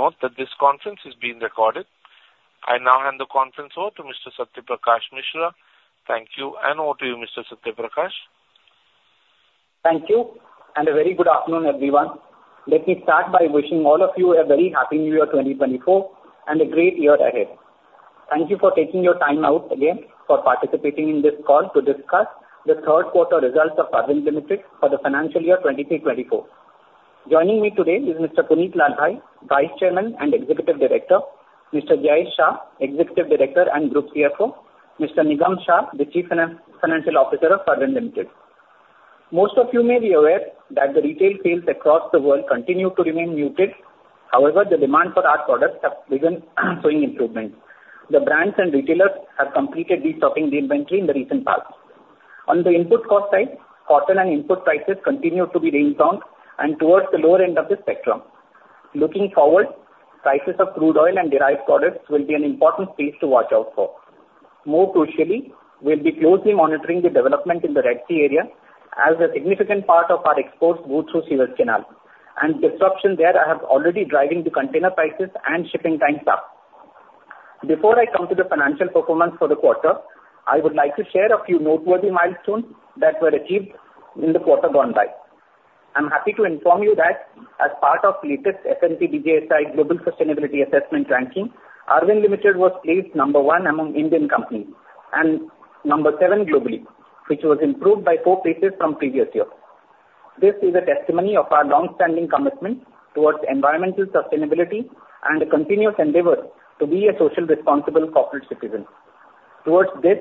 Please note that this conference is being recorded. I now hand the conference over to Mr. Satya Prakash Mishra. Thank you, and over to you, Mr. Satya Prakash. Thank you, and a very good afternoon, everyone. Let me start by wishing all of you a very happy new year, 2024, and a great year ahead. Thank you for taking your time out again for participating in this call to discuss the third quarter results of Arvind Limited for the financial year 2023-24. Joining me today is Mr. Punit Lalbhai, Vice Chairman and Executive Director, Mr. Jayesh Shah, Executive Director and Group CFO, Mr. Nigam Shah, the Chief Financial Officer of Arvind Limited. Most of you may be aware that the retail sales across the world continue to remain muted. However, the demand for our products have begun showing improvement. The brands and retailers have completed restocking the inventory in the recent past. On the input cost side, cotton and input prices continue to be reasonable, and towards the lower end of the spectrum. Looking forward, prices of crude oil and derived products will be an important space to watch out for. More crucially, we'll be closely monitoring the development in the Red Sea area, as a significant part of our exports go through Suez Canal, and disruptions there have already been driving the container prices and shipping times up. Before I come to the financial performance for the quarter, I would like to share a few noteworthy milestones that were achieved in the quarter gone by. I'm happy to inform you that as part of latest S&P DJSI Global Sustainability Assessment Ranking, Arvind Limited was placed number 1 among Indian companies, and number 7 globally, which was improved by 4 places from previous year. This is a testimony of our long-standing commitment towards environmental sustainability and a continuous endeavor to be a socially responsible corporate citizen. Towards this,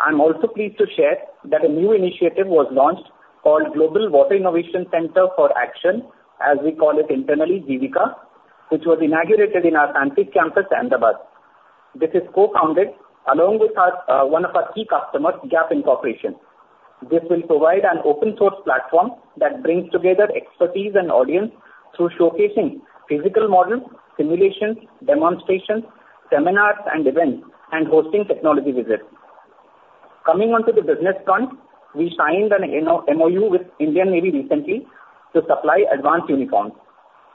I'm also pleased to share that a new initiative was launched, called Global Water Innovation Center for Action, as we call it internally, GWICA, which was inaugurated in our Santej Campus, Ahmedabad. This is co-founded along with our, one of our key customers, Gap Inc. This will provide an open-source platform that brings together expertise and audience through showcasing physical models, simulations, demonstrations, seminars and events, and hosting technology visits. Coming onto the business front, we signed an MOU with Indian Navy recently to supply advanced uniforms.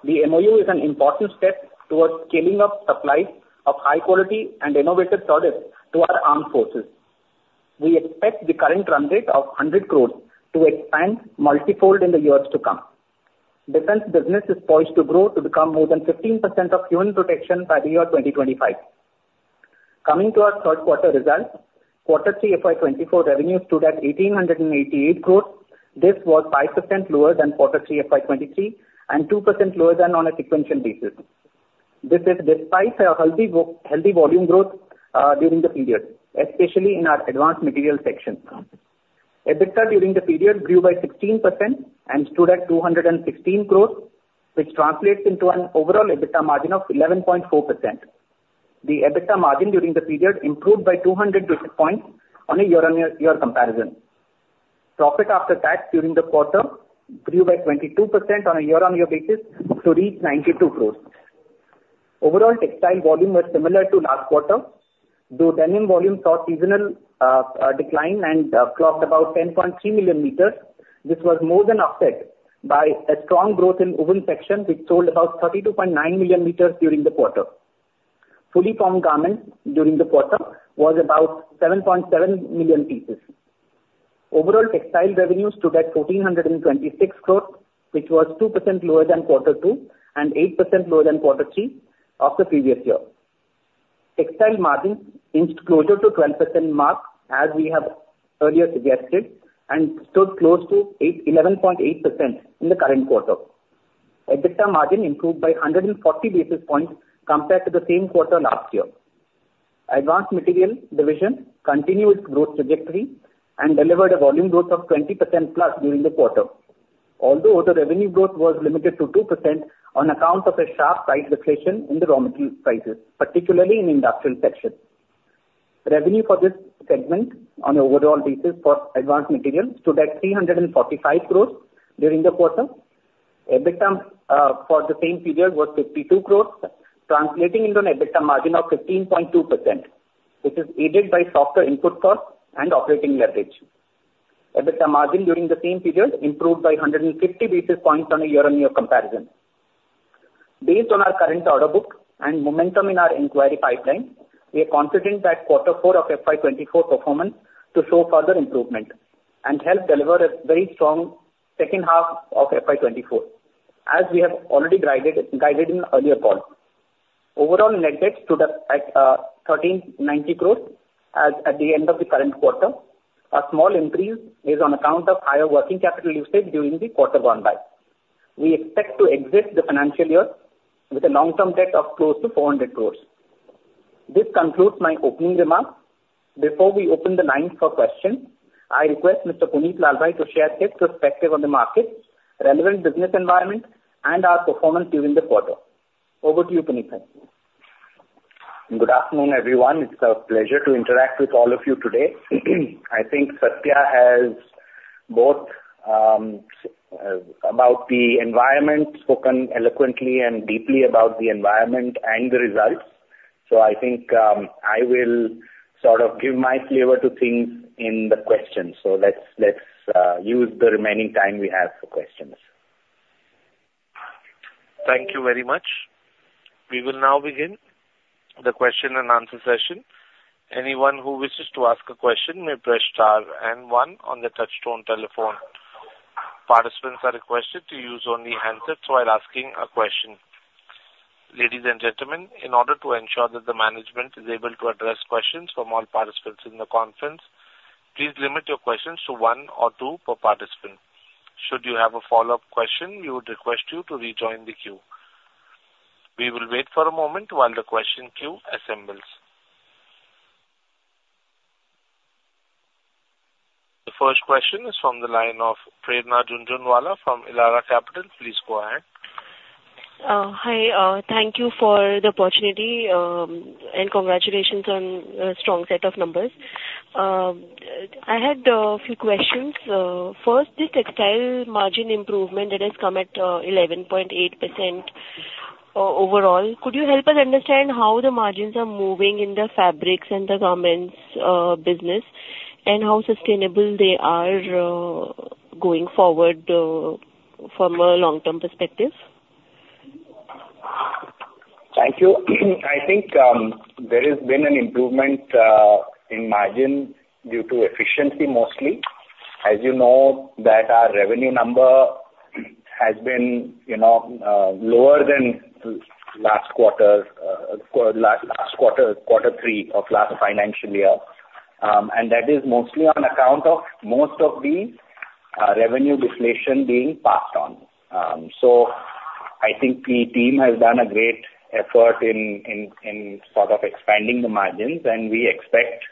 The MOU is an important step towards scaling up supply of high quality and innovative products to our armed forces. We expect the current run rate of 100 crore to expand multifold in the years to come. Defense business is poised to grow to become more than 15% of human protection by the year 2025. Coming to our third quarter results, quarter 3 FY 2024 revenue stood at 1,888 crore. This was 5% lower than quarter 3 FY 2023, and 2% lower than on a sequential basis. This is despite a healthy volume growth during the period, especially in our advanced materials section. EBITDA during the period grew by 16% and stood at 216 crore, which translates into an overall EBITDA margin of 11.4%. The EBITDA margin during the period improved by 200 basis points on a year-on-year comparison. Profit after tax during the quarter grew by 22% on a year-on-year basis to reach 92 crore. Overall, textile volume was similar to last quarter, though denim volume saw seasonal decline and clocked about 10.3 million meters, which was more than offset by a strong growth in woven section, which sold about 32.9 million meters during the quarter. Fully formed garments during the quarter was about 7.7 million pieces. Overall, textile revenue stood at 1,426 crores, which was 2% lower than Quarter two, and 8% lower than Quarter three of the previous year. Textile margin inched closer to 12% mark, as we have earlier suggested, and stood close to eleven point eight percent in the current quarter. EBITDA margin improved by 140 basis points compared to the same quarter last year. Advanced Materials Division continued growth trajectory and delivered a volume growth of 20%+ during the quarter, although the revenue growth was limited to 2% on account of a sharp price deflation in the raw material prices, particularly in industrial section. Revenue for this segment on an overall basis for advanced materials stood at 345 crore during the quarter. EBITDA for the same period was 52 crore, translating into an EBITDA margin of 15.2%, which is aided by softer input costs and operating leverage. EBITDA margin during the same period improved by 150 basis points on a year-on-year comparison. Based on our current order book and momentum in our inquiry pipeline, we are confident that quarter four of FY 2024 performance to show further improvement, and help deliver a very strong second half of FY 2024, as we have already guided in the earlier call. Overall, net debt stood at 1,390 crores as at the end of the current quarter. A small increase is on account of higher working capital usage during the quarter gone by. We expect to exit the financial year with a long-term debt of close to 400 crores. This concludes my opening remarks. Before we open the lines for questions, I request Mr. Punit Lalbhai to share his perspective on the market, relevant business environment, and our performance during the quarter. Over to you, Punit. Good afternoon, everyone. It's a pleasure to interact with all of you today. I think Satya has both about the environment spoken eloquently and deeply about the environment and the results... So I think I will sort of give my flavor to things in the questions. So let's use the remaining time we have for questions. Thank you very much. We will now begin the question and answer session. Anyone who wishes to ask a question may press star and one on the touchtone telephone. Participants are requested to use only handsets while asking a question. Ladies and gentlemen, in order to ensure that the management is able to address questions from all participants in the conference, please limit your questions to one or two per participant. Should you have a follow-up question, we would request you to rejoin the queue. We will wait for a moment while the question queue assembles. The first question is from the line of Prerna Jhunjhunwala from Elara Capital. Please go ahead. Hi, thank you for the opportunity, and congratulations on a strong set of numbers. I had a few questions. First, the textile margin improvement that has come at 11.8%, overall, could you help us understand how the margins are moving in the fabrics and the garments business, and how sustainable they are going forward from a long-term perspective? Thank you. I think, there has been an improvement, in margin due to efficiency, mostly. As you know, that our revenue number has been, you know, lower than last quarter's, last quarter, quarter three of last financial year. And that is mostly on account of most of the, revenue deflation being passed on. So I think the team has done a great effort in, in, in sort of expanding the margins, and we expect,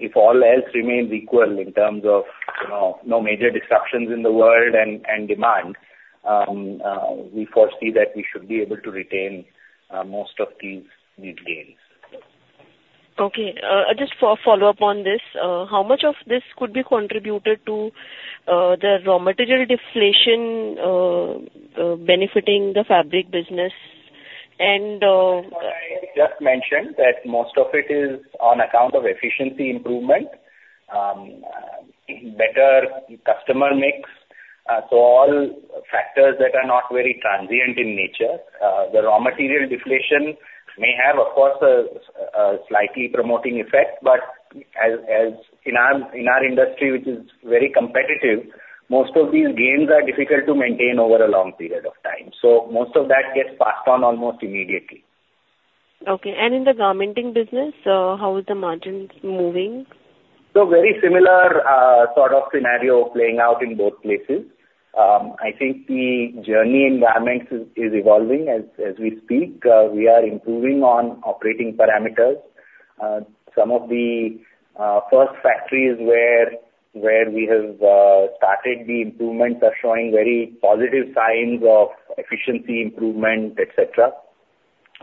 if all else remains equal in terms of, you know, no major disruptions in the world and, and demand, we foresee that we should be able to retain, most of these, these gains. Okay. Just for a follow-up on this, how much of this could be contributed to, the raw material deflation, benefiting the fabric business? And, I just mentioned that most of it is on account of efficiency improvement, better customer mix. So all factors that are not very transient in nature. The raw material deflation may have, of course, a slightly promoting effect, but as in our industry, which is very competitive, most of these gains are difficult to maintain over a long period of time. So most of that gets passed on almost immediately. Okay. In the garmenting business, how is the margins moving? So very similar sort of scenario playing out in both places. I think the journey in garments is evolving as we speak. We are improving on operating parameters. Some of the first factories where we have started the improvements are showing very positive signs of efficiency improvement, et cetera.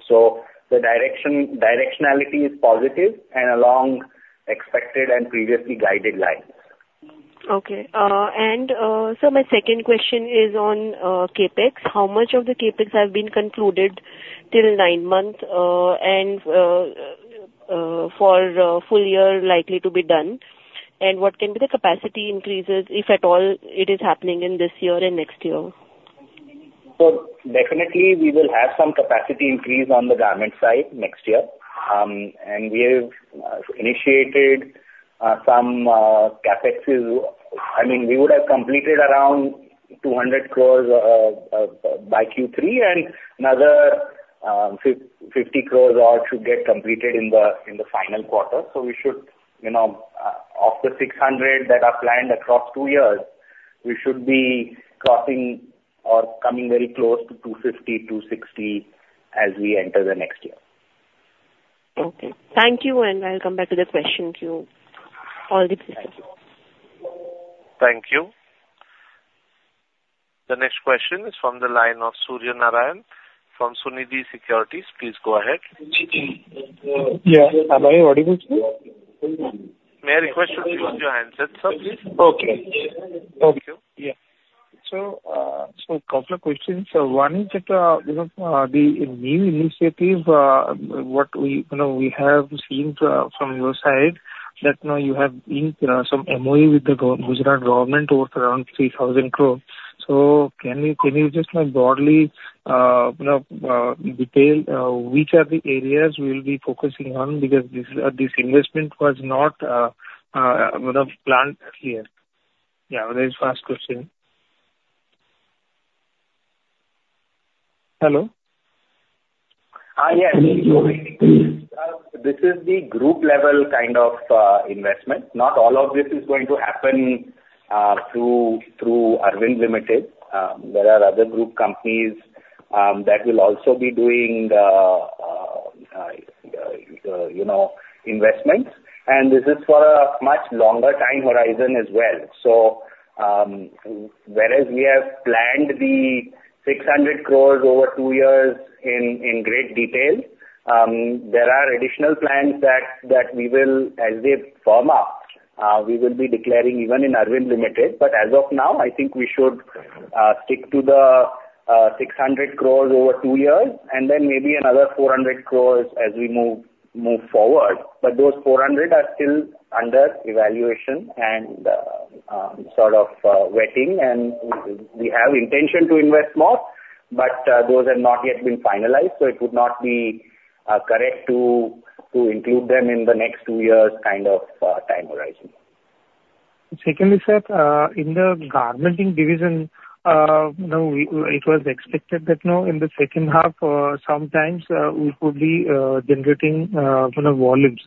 So the directionality is positive and along expected and previously guided lines. Okay. So my second question is on CapEx. How much of the CapEx have been concluded till nine months, and for full year likely to be done, and what can be the capacity increases, if at all it is happening in this year and next year? So definitely we will have some capacity increase on the garment side next year. And we have initiated some CapExes. I mean, we would have completed around 200 crore by Q3, and another 50 crore should get completed in the final quarter. So we should, you know, of the 600 crore that are planned across two years, we should be crossing or coming very close to 250-260, as we enter the next year. Okay. Thank you, and I'll come back with a question to you. All the best. Thank you. The next question is from the line of Surya Narayan from Sunidhi Securities. Please go ahead. Yeah. Am I audible to you? May I request you to use your handset, sir, please? Okay. Thank you. Yeah. So, so a couple of questions. So one is that, you know, the new initiative, what we, you know, we have seen from, from your side, that now you have inked some MOU with the Gujarat government worth around 3,000 crore. So can you, can you just, like, broadly, you know, detail which are the areas we'll be focusing on? Because this, this investment was not, you know, planned earlier. Yeah, that is first question. Hello? Yes. This is the group level kind of investment. Not all of this is going to happen through Arvind Limited. There are other group companies that will also be doing the, you know, investments. And this is for a much longer time horizon as well. So, whereas we have planned the 600 crore over two years in great detail, there are additional plans that we will, as they firm up, we will be declaring even in Arvind Limited. But as of now, I think we should stick to the 600 crore over two years, and then maybe another 400 crore as we move forward. But those 400 crore are still under evaluation and sort of vetting. We have intention to invest more, but those have not yet been finalized, so it would not be correct to include them in the next two years kind of time horizon. Secondly, sir, in the garmenting division, you know, it was expected that, you know, in the second half, sometimes, we could be generating, you know, volumes,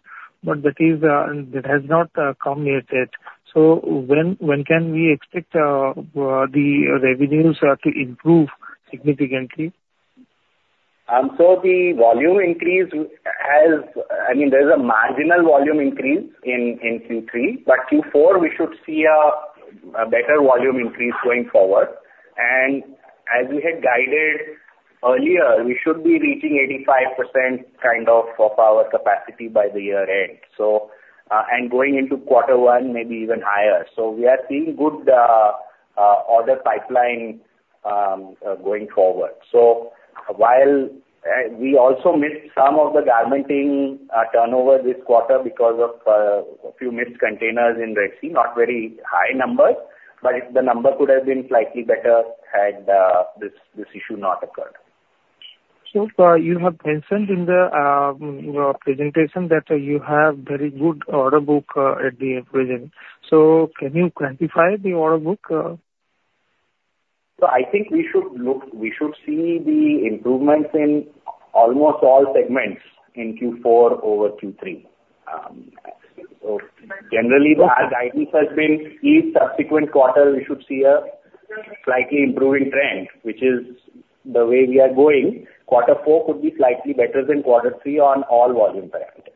but that is... that has not come yet that. So when, when can we expect the revenues to improve significantly? So the volume increase, I mean, there's a marginal volume increase in Q3, but Q4 we should see a better volume increase going forward. And as we had guided earlier, we should be reaching 85% kind of of our capacity by the year end, so, and going into quarter one, maybe even higher. So we are seeing good order pipeline going forward. So while, we also missed some of the garmenting turnover this quarter because of a few missed containers in Red Sea, not very high numbers, but the number could have been slightly better had this issue not occurred. So, you have mentioned in the presentation that you have very good order book at the present. So can you quantify the order book? I think we should look... We should see the improvements in almost all segments in Q4 over Q3. So generally, our guidance has been each subsequent quarter, we should see a slightly improving trend, which is the way we are going. Quarter four could be slightly better than quarter three on all volume parameters.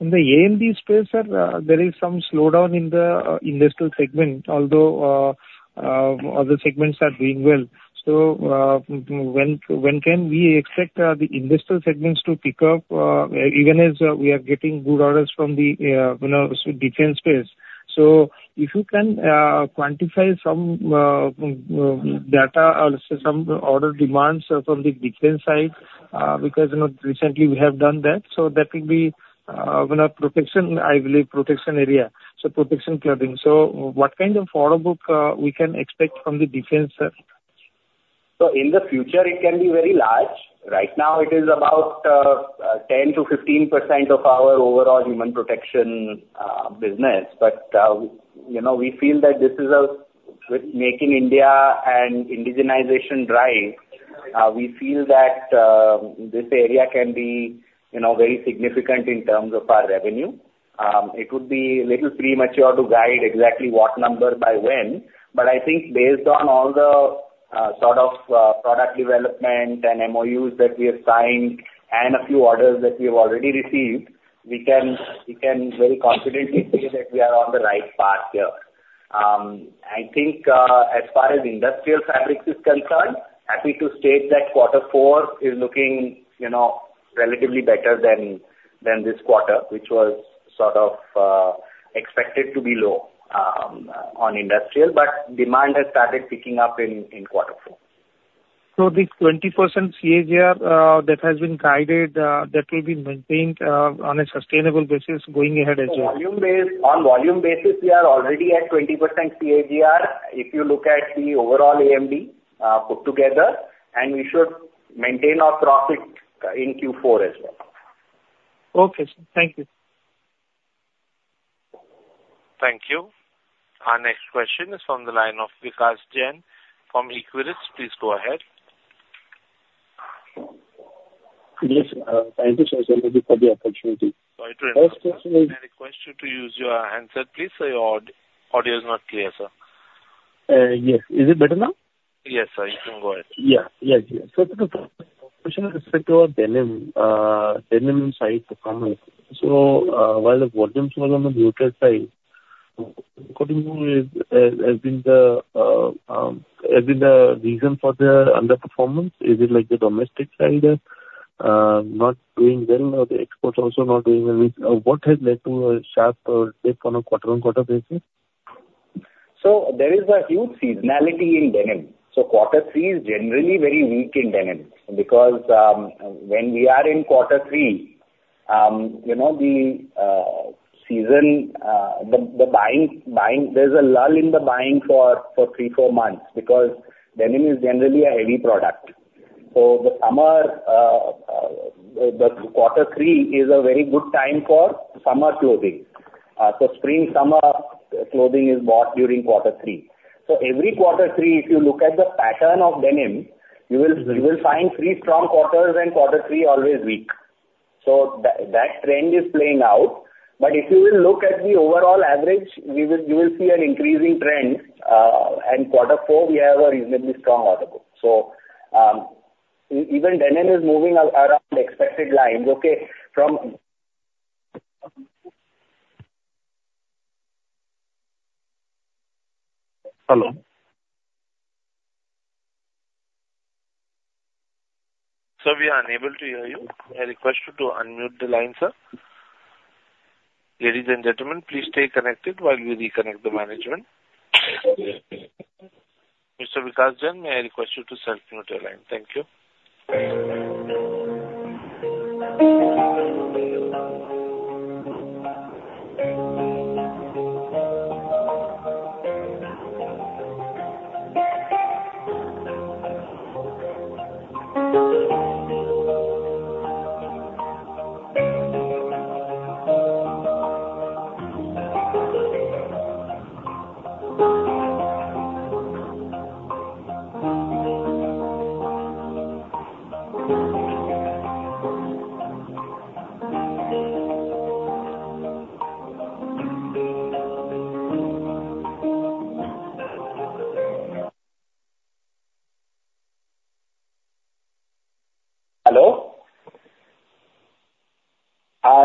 In the AMD space, sir, there is some slowdown in the industrial segment, although other segments are doing well. So, when can we expect the industrial segments to pick up, even as we are getting good orders from the, you know, defense space? So if you can quantify some data or some order demands from the defense side, because, you know, recently we have done that, so that will be, you know, protection, I believe, protection area, so protection clothing. So what kind of order book we can expect from the defense, sir? So in the future, it can be very large. Right now, it is about 10%-15% of our overall human protection business. But, you know, we feel that this is a Make in India and indigenization drive. We feel that this area can be, you know, very significant in terms of our revenue. It would be a little premature to guide exactly what number by when, but I think based on all the sort of product development and MOUs that we have signed and a few orders that we have already received, we can, we can very confidently say that we are on the right path here. I think, as far as industrial fabrics is concerned, happy to state that quarter four is looking, you know, relatively better than this quarter, which was sort of expected to be low on industrial, but demand has started picking up in quarter four. The 20% CAGR that has been guided that will be maintained on a sustainable basis going ahead as well? So on volume basis, we are already at 20% CAGR if you look at the overall AMD put together, and we should maintain our profit in Q4 as well. Okay, sir. Thank you. Thank you. Our next question is from the line of Vikas Jain from Equirus. Please go ahead. Yes, thank you so much for the opportunity. Sorry to interrupt. I request you to use your handset, please, sir. Your audio is not clear, sir. Yes. Is it better now? Yes, sir. You can go ahead. Yeah, yeah. Yeah. So the question is with regard to denim, denim side performance. So, while the volumes were on the brighter side, according to you, has been the reason for the underperformance. Is it like the domestic side not doing well or the exports also not doing well? What has led to a sharp dip on a quarter-on-quarter basis? So there is a huge seasonality in denim. So quarter three is generally very weak in denim because when we are in quarter three, you know, the season, the buying, there's a lull in the buying for three, four months because denim is generally a heavy product. So the summer, the quarter three is a very good time for summer clothing. So spring, summer clothing is bought during quarter three. So every quarter three, if you look at the pattern of denim, you will find three strong quarters and quarter three always weak. So that trend is playing out. But if you look at the overall average, you will see an increasing trend, and quarter four we have a reasonably strong order book. So even denim is moving around expected lines, okay? From- Hello?... Sir, we are unable to hear you. I request you to unmute the line, sir. Ladies and gentlemen, please stay connected while we reconnect the management. Mr. Vikas Jain, may I request you to self-mute your line. Thank you.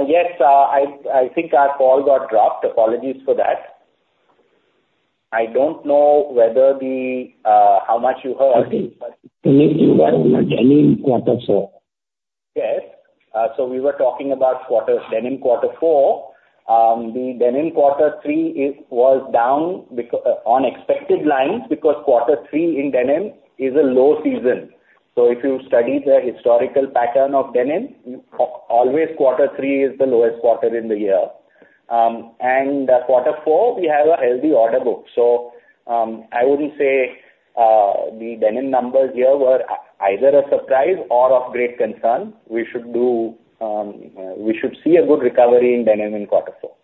Hello? Yes, I think our call got dropped. Apologies for that. I don't know whether the how much you heard. I think you were on denim quarter four. Yes. So we were talking about quarter, Denim Quarter Four. The denim Quarter Three is, was down because on expected lines, because Quarter Three in denim is a low season. So if you study the historical pattern of denim, always Quarter Three is the lowest quarter in the year. And Quarter Four, we have a healthy order book. So, I wouldn't say the denim numbers here were either a surprise or of great concern. We should do, we should see a good recovery in denim in Quarter Four.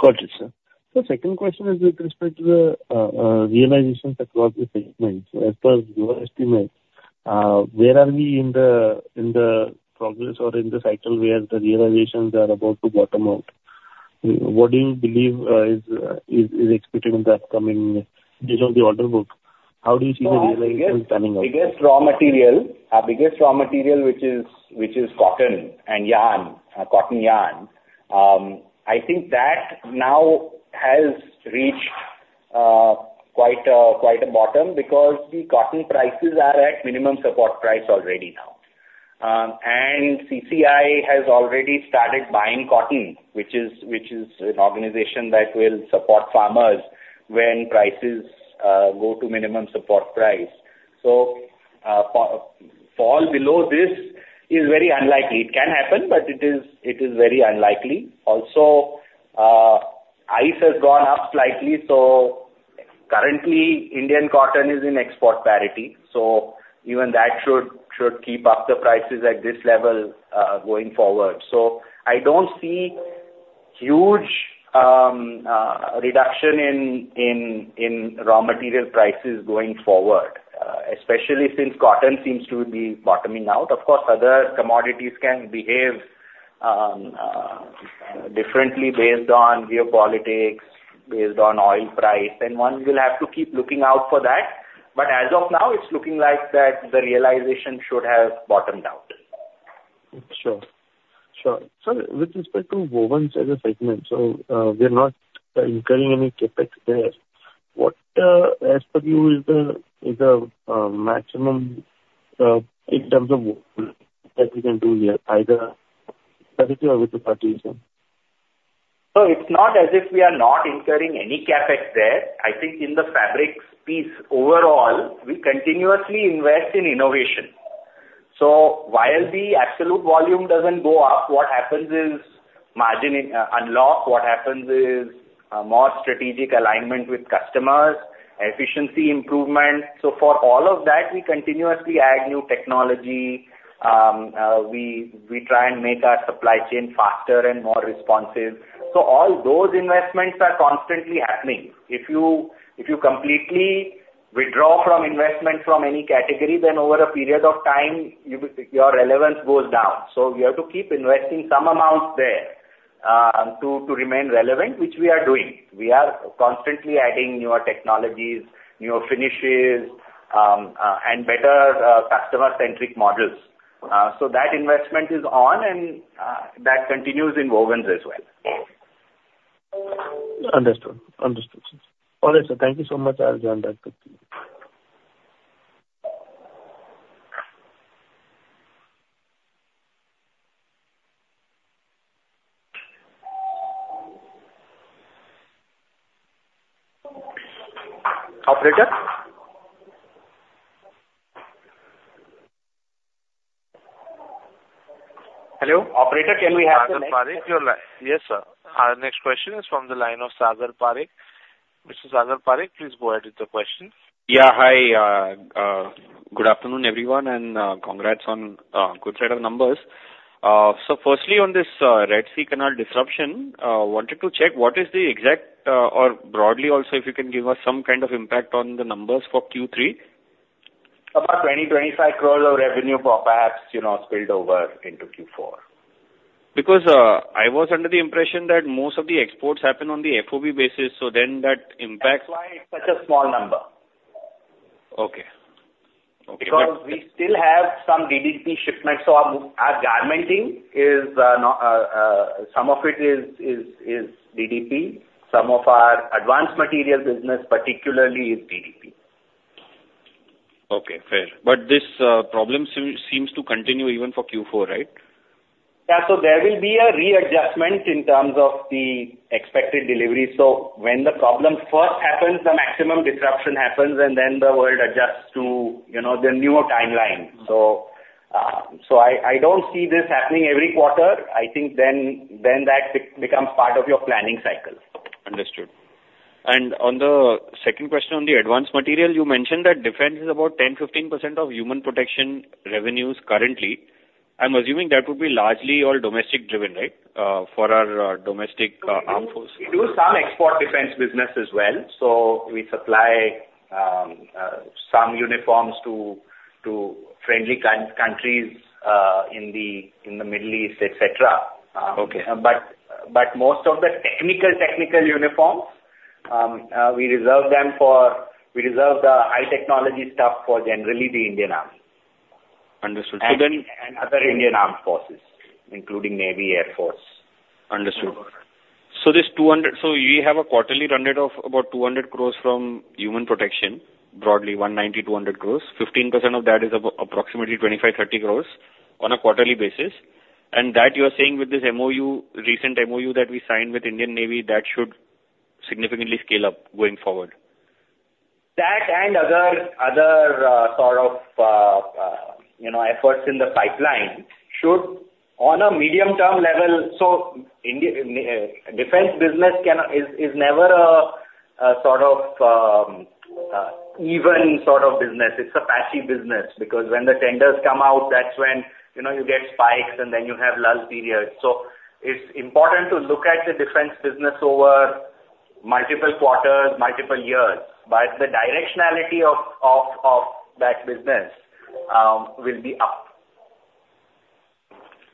Got you, sir. The second question is with respect to the realizations across the segments. As per your estimate, where are we in the progress or in the cycle, where the realizations are about to bottom out? What do you believe is expected in the upcoming based on the order book? How do you see the realization turning out? Our biggest, biggest raw material, our biggest raw material, which is, which is cotton and yarn, cotton yarn, I think that now has reached quite, quite a bottom, because the cotton prices are at minimum support price already now. And CCI has already started buying cotton, which is, which is an organization that will support farmers when prices go to minimum support price. So, fall below this is very unlikely. It can happen, but it is, it is very unlikely. Also, ICE has gone up slightly, so currently, Indian cotton is in export parity, so even that should, should keep up the prices at this level, going forward. So I don't see huge, reduction in, in, in raw material prices going forward, especially since cotton seems to be bottoming out. Of course, other commodities can behave differently based on geopolitics, based on oil price, and one will have to keep looking out for that. But as of now, it's looking like that the realization should have bottomed out. Sure. Sure. So with respect to wovens as a segment, so, we're not incurring any CapEx there. What, as per you is the, is the, maximum, in terms of that we can do here, either with or with the parties? So it's not as if we are not incurring any CapEx there. I think in the fabrics piece, overall, we continuously invest in innovation. So while the absolute volume doesn't go up, what happens is margins unlock. What happens is more strategic alignment with customers, efficiency improvement. So for all of that, we continuously add new technology. We try and make our supply chain faster and more responsive. So all those investments are constantly happening. If you completely withdraw from investment from any category, then over a period of time, you will... Your relevance goes down. So we have to keep investing some amount there to remain relevant, which we are doing. We are constantly adding newer technologies, newer finishes, and better customer-centric models. That investment is on and that continues in wovens as well. Understood. Understood, sir. All right, sir, thank you so much. I'll join back with you. Operator? Hello? Operator, can we have the next- Yes, sir. Our next question is from the line of Sagar Parekh. Mr. Sagar Parekh, please go ahead with the question. Yeah, hi. Good afternoon, everyone, and congrats on good set of numbers. So firstly, on this Suez Canal disruption, wanted to check what is the exact, or broadly also, if you can give us some kind of impact on the numbers for Q3? About 20-25 crores of revenue for perhaps, you know, spilled over into Q4. Because, I was under the impression that most of the exports happen on the FOB basis, so then that impact- That's why it's such a small number. Okay. Okay. Because we still have some DDP shipments, so our garmenting is some of it is DDP. Some of our advanced materials business particularly is DDP.... Okay, fair. But this problem seems to continue even for Q4, right? Yeah. So there will be a readjustment in terms of the expected delivery. So when the problem first happens, the maximum disruption happens, and then the world adjusts to, you know, the newer timeline. So, so I don't see this happening every quarter. I think then that becomes part of your planning cycle. Understood. On the second question on the advanced material, you mentioned that defense is about 10-15% of human protection revenues currently. I'm assuming that would be largely all domestic driven, right? For our domestic armed forces. We do some export defense business as well, so we supply some uniforms to friendly countries in the Middle East, et cetera. Okay. But most of the technical uniforms, we reserve them for. We reserve the high technology stuff for generally the Indian Army. Understood. So then- And other Indian armed forces, including Navy, Air Force. Understood. So you have a quarterly run rate of about 200 crore from human protection, broadly 190-200 crore. 15% of that is approximately 25-30 crore on a quarterly basis, and that you are saying with this MOU, recent MOU that we signed with Indian Navy, that should significantly scale up going forward. That and other sort of, you know, efforts in the pipeline should, on a medium-term level... So Indian defense business cannot, is never a sort of even sort of business. It's a patchy business. Because when the tenders come out, that's when, you know, you get spikes and then you have lull periods. So it's important to look at the defense business over multiple quarters, multiple years, but the directionality of that business will be up.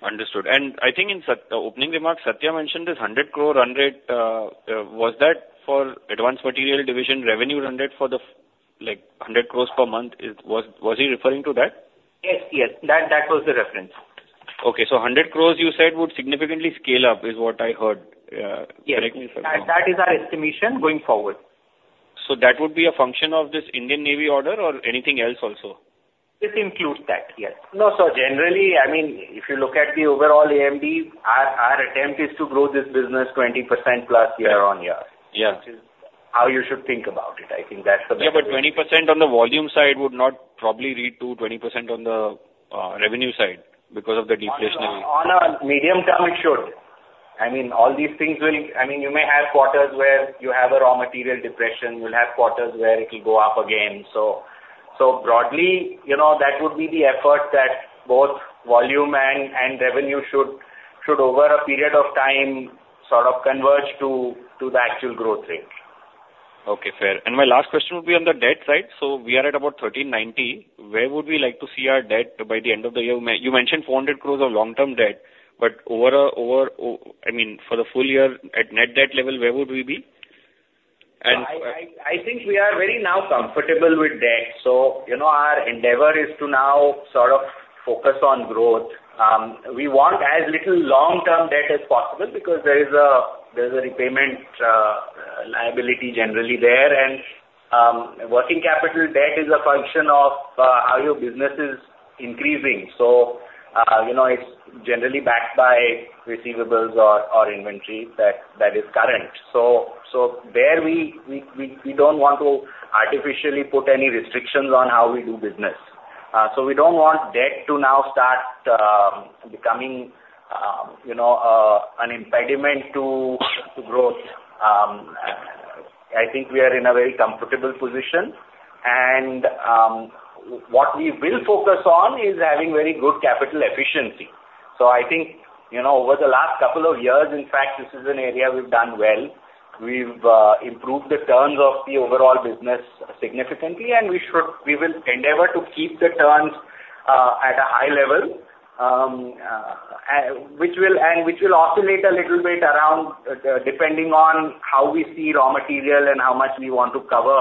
Understood. I think in the opening remarks, Satya mentioned this 100 crore run rate. Was that for Advanced Materials Division revenue run rate for the, like, 100 crores per month? Is, was, was he referring to that? Yes, yes. That, that was the reference. Okay, so 100 crore you said would significantly scale up, is what I heard. Correct me if I'm wrong. Yes, that, that is our estimation going forward. That would be a function of this Indian Navy order or anything else also? This includes that, yes. No, so generally, I mean, if you look at the overall AMD, our, our attempt is to grow this business 20%+ year-on-year. Yeah. Which is how you should think about it. I think that's the best way- Yeah, but 20% on the volume side would not probably lead to 20% on the revenue side because of the deflationary. On a medium term, it should. I mean, all these things will... I mean, you may have quarters where you have a raw material depression, you'll have quarters where it'll go up again. So broadly, you know, that would be the effort that both volume and revenue should, over a period of time, sort of converge to the actual growth rate. Okay, fair. And my last question would be on the debt side. So we are at about 1,390 crore. Where would we like to see our debt by the end of the year? You mentioned 400 crore of long-term debt, but over, I mean, for the full year at net debt level, where would we be? And- I think we are very now comfortable with debt, so, you know, our endeavor is to now sort of focus on growth. We want as little long-term debt as possible because there is a repayment liability generally there, and working capital debt is a function of how your business is increasing. So, you know, it's generally backed by receivables or inventory that is current. So there we don't want to artificially put any restrictions on how we do business. So we don't want debt to now start becoming, you know, an impediment to growth. I think we are in a very comfortable position, and what we will focus on is having very good capital efficiency. So I think, you know, over the last couple of years, in fact, this is an area we've done well. We've improved the terms of the overall business significantly, and we should- we will endeavor to keep the terms at a high level, and which will oscillate a little bit around, depending on how we see raw material and how much we want to cover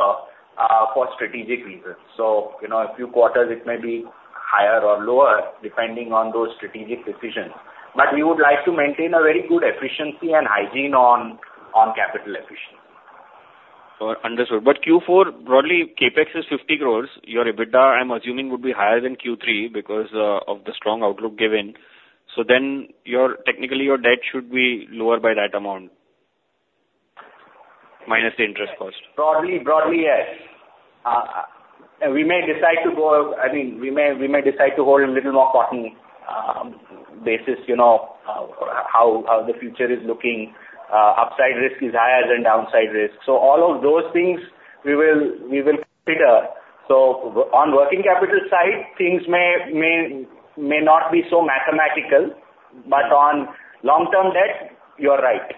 for strategic reasons. So, you know, a few quarters it may be higher or lower, depending on those strategic decisions. But we would like to maintain a very good efficiency and hygiene on capital efficiency. Understood. But Q4, broadly, CapEx is 50 crore. Your EBITDA, I'm assuming, would be higher than Q3 because of the strong outlook given. So then your, technically, your debt should be lower by that amount, minus the interest cost. Broadly, broadly, yes. We may decide to go, I mean, we may, we may decide to hold a little more caution, basis, you know, how, how the future is looking, upside risk is higher than downside risk. So all of those things we will, we will consider. So on working capital side, things may, may, may not be so mathematical, but on long-term debt, you're right.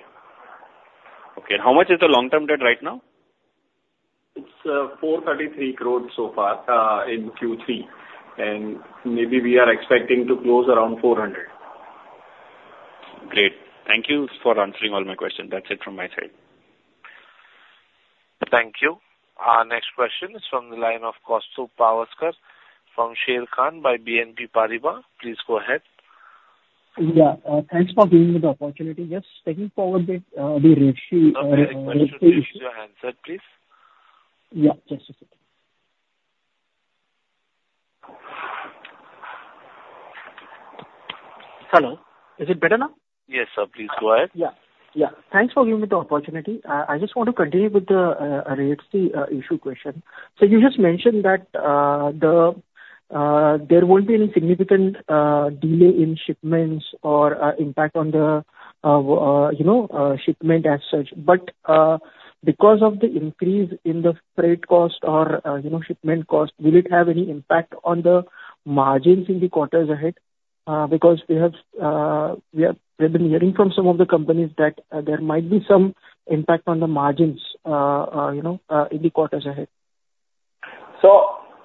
Okay, and how much is the long-term debt right now? It's 433 crore so far in Q3, and maybe we are expecting to close around 400 crore. Great. Thank you for answering all my questions. That's it from my side. Thank you. Our next question is from the line of Kaustubh Pawaskar from Sharekhan by BNP Paribas. Please go ahead.... Yeah, thanks for giving me the opportunity. Just taking forward the, the ratio, Okay, please raise your handset, please. Yeah, just a second. Hello, is it better now? Yes, sir. Please go ahead. Yeah, yeah. Thanks for giving me the opportunity. I just want to continue with the rates, the issue question. So you just mentioned that there won't be any significant delay in shipments or impact on the shipment as such. But because of the increase in the freight cost or, you know, shipment cost, will it have any impact on the margins in the quarters ahead? Because we've been hearing from some of the companies that there might be some impact on the margins, you know, in the quarters ahead. So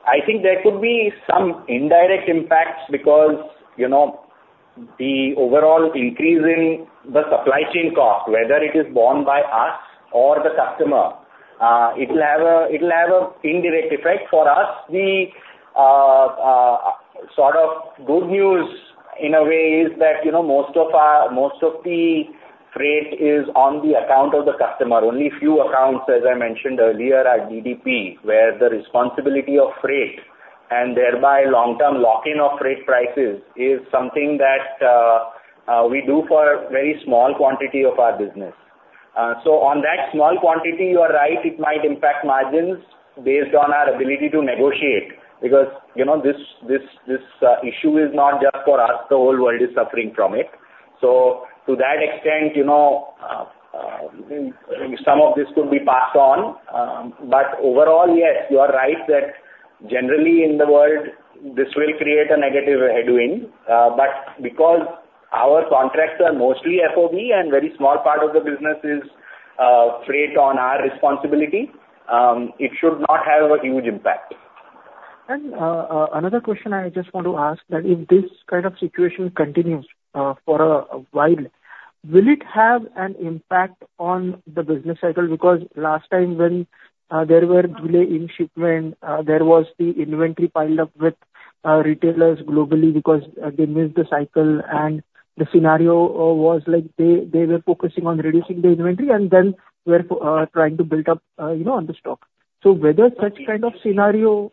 I think there could be some indirect impacts because, you know, the overall increase in the supply chain cost, whether it is borne by us or the customer, it'll have an indirect effect for us. The sort of good news, in a way, is that, you know, most of the freight is on the account of the customer. Only few accounts, as I mentioned earlier, are DDP, where the responsibility of freight and thereby long-term lock-in of freight prices is something that we do for a very small quantity of our business. So on that small quantity, you are right, it might impact margins based on our ability to negotiate, because, you know, this issue is not just for us, the whole world is suffering from it. To that extent, you know, some of this could be passed on. But overall, yes, you are right that generally in the world, this will create a negative headwind, but because our contracts are mostly FOB and very small part of the business is freight on our responsibility, it should not have a huge impact. Another question I just want to ask, that if this kind of situation continues for a while, will it have an impact on the business cycle? Because last time when there were delay in shipment, there was the inventory piled up with retailers globally because they missed the cycle, and the scenario was like they, they were focusing on reducing the inventory and then were trying to build up, you know, on the stock. So whether such kind of scenario-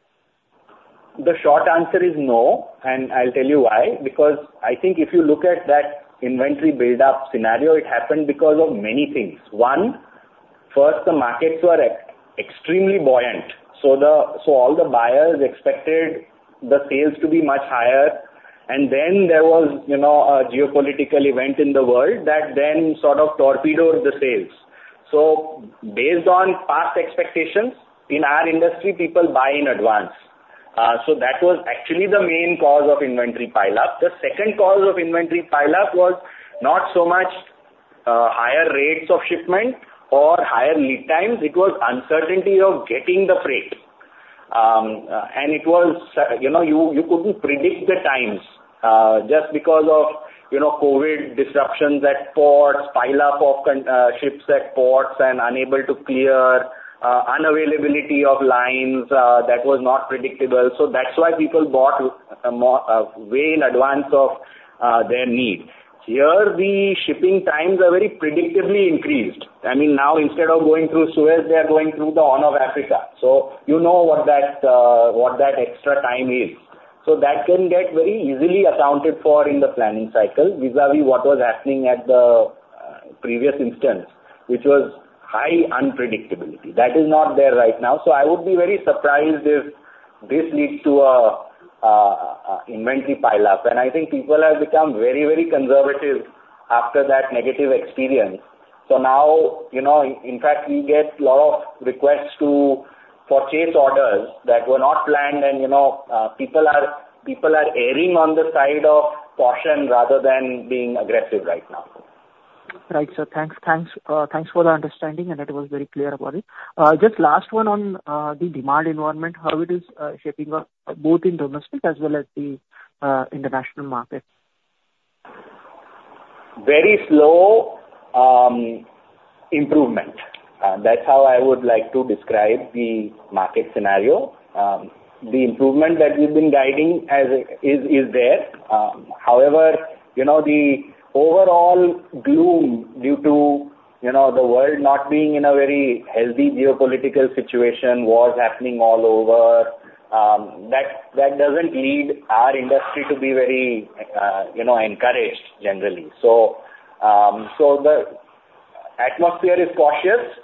The short answer is no, and I'll tell you why: because I think if you look at that inventory buildup scenario, it happened because of many things. One, first, the markets were extremely buoyant, so all the buyers expected the sales to be much higher. And then there was, you know, a geopolitical event in the world that then sort of torpedoed the sales. So based on past expectations, in our industry, people buy in advance. So that was actually the main cause of inventory pile up. The second cause of inventory pile up was not so much, higher rates of shipment or higher lead times, it was uncertainty of getting the freight. And it was, you know, you couldn't predict the times, just because of, you know, COVID disruptions at ports, pileup of container ships at ports, and unable to clear, unavailability of lines, that was not predictable. So that's why people bought, more way in advance of their needs. Here, the shipping times are very predictably increased. I mean, now, instead of going through Suez, they are going through the Horn of Africa, so you know what that extra time is. So that can get very easily accounted for in the planning cycle vis-a-vis what was happening at the previous instance, which was high unpredictability. That is not there right now, so I would be very surprised if this leads to a inventory pile up. I think people have become very, very conservative after that negative experience. So now, you know, in fact, we get lot of requests to, for chase orders that were not planned, and, you know, people are erring on the side of caution rather than being aggressive right now. Right, sir. Thanks, thanks, thanks for the understanding, and that was very clear about it. Just last one on, the demand environment, how it is, shaping up, both in domestic as well as the, international markets? Very slow improvement, that's how I would like to describe the market scenario. The improvement that we've been guiding as... is, is there. However, you know, the overall gloom due to, you know, the world not being in a very healthy geopolitical situation, wars happening all over, that, that doesn't lead our industry to be very, you know, encouraged generally. So, so the atmosphere is cautious.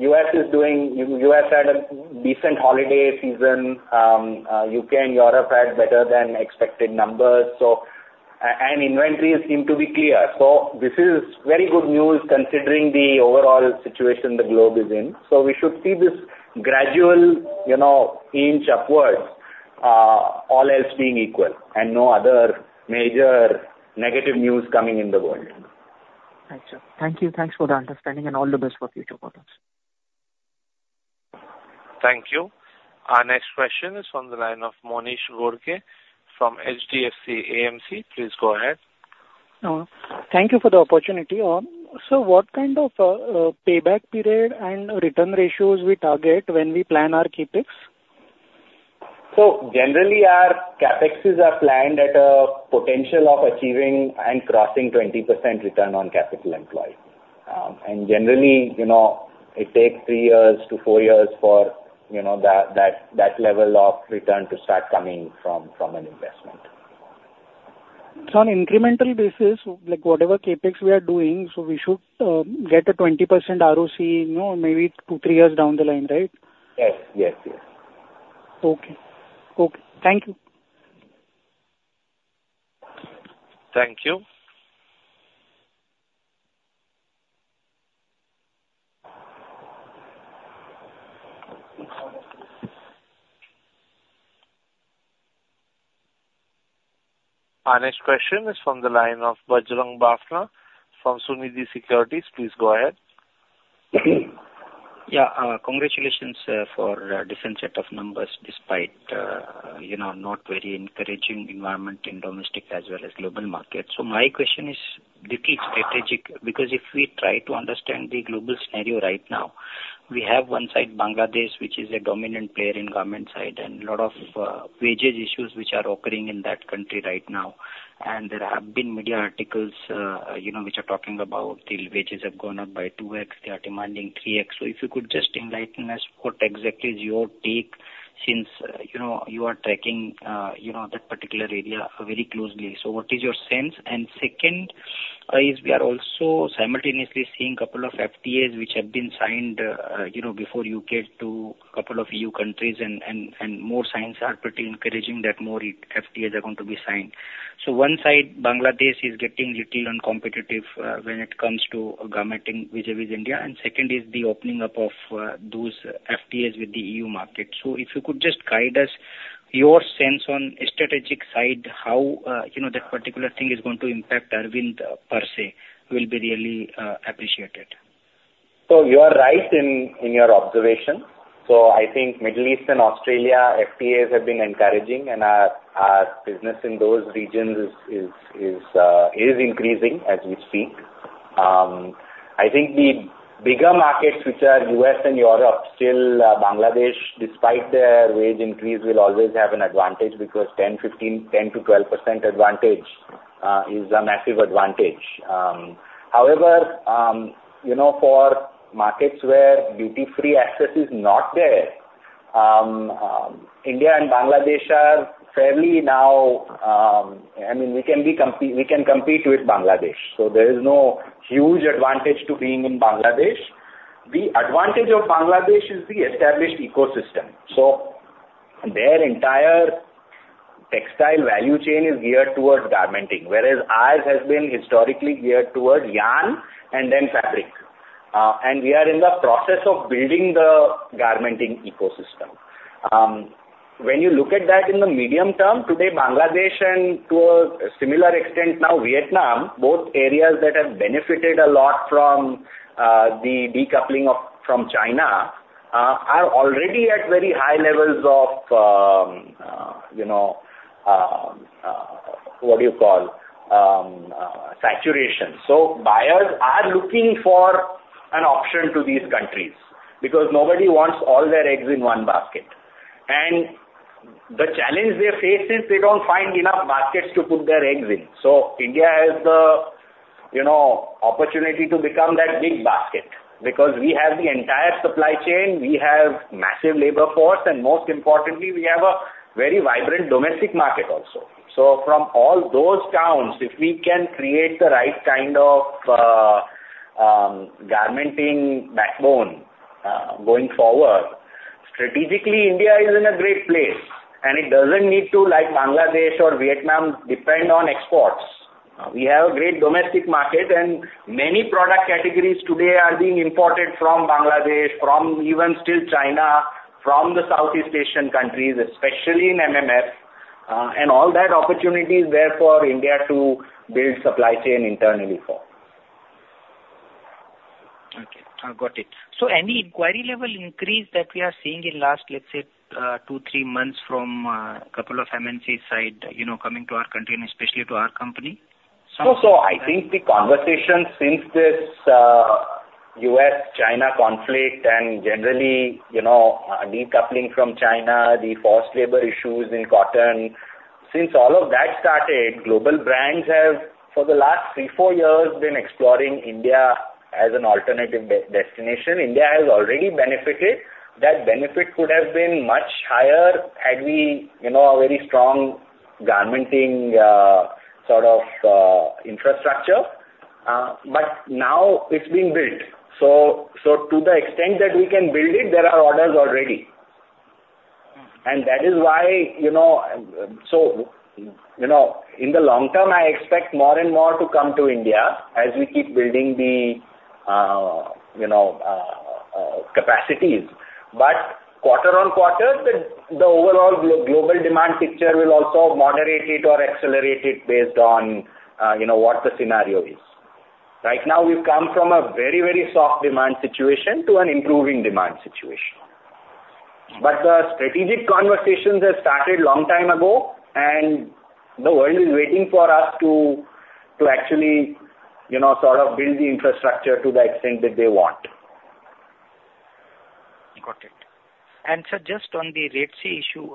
U.S. is doing, U.S. had a decent holiday season. U.K. and Europe had better than expected numbers, so, and inventories seem to be clear. So this is very good news, considering the overall situation the globe is in. So we should see this gradual, you know, inch upwards, all else being equal, and no other major negative news coming in the world. Right, sir. Thank you. Thanks for the understanding, and all the best for future quarters. Thank you. Our next question is on the line of Manish Gorakhe from HDFC AMC. Please go ahead. Thank you for the opportunity. So what kind of payback period and return ratios we target when we plan our CapEx? Generally, our CapEx are planned at a potential of achieving and crossing 20% return on capital employed. And generally, you know, it takes three years to four years for, you know, that level of return to start coming from an investment. So on incremental basis, like whatever CapEx we are doing, so we should get a 20% ROC, you know, maybe two, three years down the line, right? Yes. Yes, yes. Okay. Okay. Thank you. Thank you. Our next question is from the line of Bajrang Bafna from Sunidhi Securities. Please go ahead. Yeah, congratulations for a different set of numbers, despite you know, not very encouraging environment in domestic as well as global markets. So my question is little strategic, because if we try to understand the global scenario right now, we have one side, Bangladesh, which is a dominant player in garment side, and a lot of wages issues which are occurring in that country right now. And there have been media articles, you know, which are talking about the wages have gone up by 2x, they are demanding 3x. So if you could just enlighten us, what exactly is your take, since you know, you are tracking that particular area very closely. So what is your sense? And second, is we are also simultaneously seeing couple of FTAs, which have been signed, you know, before U.K. to a couple of E.U. countries, and more signs are pretty encouraging that more FTAs are going to be signed. So one side, Bangladesh, is getting little uncompetitive, when it comes to garmenting vis-à-vis India, and second is the opening up of those FTAs with the E.U. market. So if you could just guide us your sense on strategic side, how, you know, that particular thing is going to impact Arvind per se, will be really appreciated. So you are right in your observation. So I think Middle East and Australia FTAs have been encouraging and our business in those regions is increasing as we speak. I think the bigger markets, which are U.S. and Europe, still Bangladesh, despite their wage increase, will always have an advantage because 10-15, 10%-12% advantage is a massive advantage. However, you know, for markets where duty-free access is not there, India and Bangladesh are fairly now, I mean, we can compete with Bangladesh, so there is no huge advantage to being in Bangladesh. The advantage of Bangladesh is the established ecosystem, so their entire textile value chain is geared towards garmenting, whereas ours has been historically geared towards yarn and then fabric. And we are in the process of building the garmenting ecosystem. When you look at that in the medium term, today, Bangladesh and to a similar extent now, Vietnam, both areas that have benefited a lot from the decoupling from China are already at very high levels of, you know, what do you call? Saturation. So buyers are looking for an option to these countries because nobody wants all their eggs in one basket. And the challenge they face is they don't find enough baskets to put their eggs in. So India has the, you know, opportunity to become that big basket because we have the entire supply chain, we have massive labor force, and most importantly, we have a very vibrant domestic market also. So from all those counts, if we can create the right kind of garmenting backbone, going forward, strategically, India is in a great place, and it doesn't need to, like Bangladesh or Vietnam, depend on exports. We have a great domestic market and many product categories today are being imported from Bangladesh, from even still China, from the Southeast Asian countries, especially in MMF, and all that opportunity is there for India to build supply chain internally for. Okay, I got it. So any inquiry level increase that we are seeing in last, let's say, 2-3 months from couple of MNC side, you know, coming to our country and especially to our company? So, I think the conversation since this U.S.-China conflict and generally, you know, decoupling from China, the forced labor issues in cotton. Since all of that started, global brands have, for the last 3-4 years, been exploring India as an alternative destination. India has already benefited. That benefit could have been much higher had we, you know, a very strong garmenting sort of infrastructure, but now it's being built. So, to the extent that we can build it, there are orders already. Mm. That is why, you know. So, you know, in the long term, I expect more and more to come to India as we keep building the, you know, capacities. But quarter on quarter, the overall global demand picture will also moderate it or accelerate it based on, you know, what the scenario is. Right now, we've come from a very, very soft demand situation to an improving demand situation. But the strategic conversations have started long time ago, and the world is waiting for us to actually, you know, sort of build the infrastructure to the extent that they want.... Got it. And sir, just on the Red Sea issue,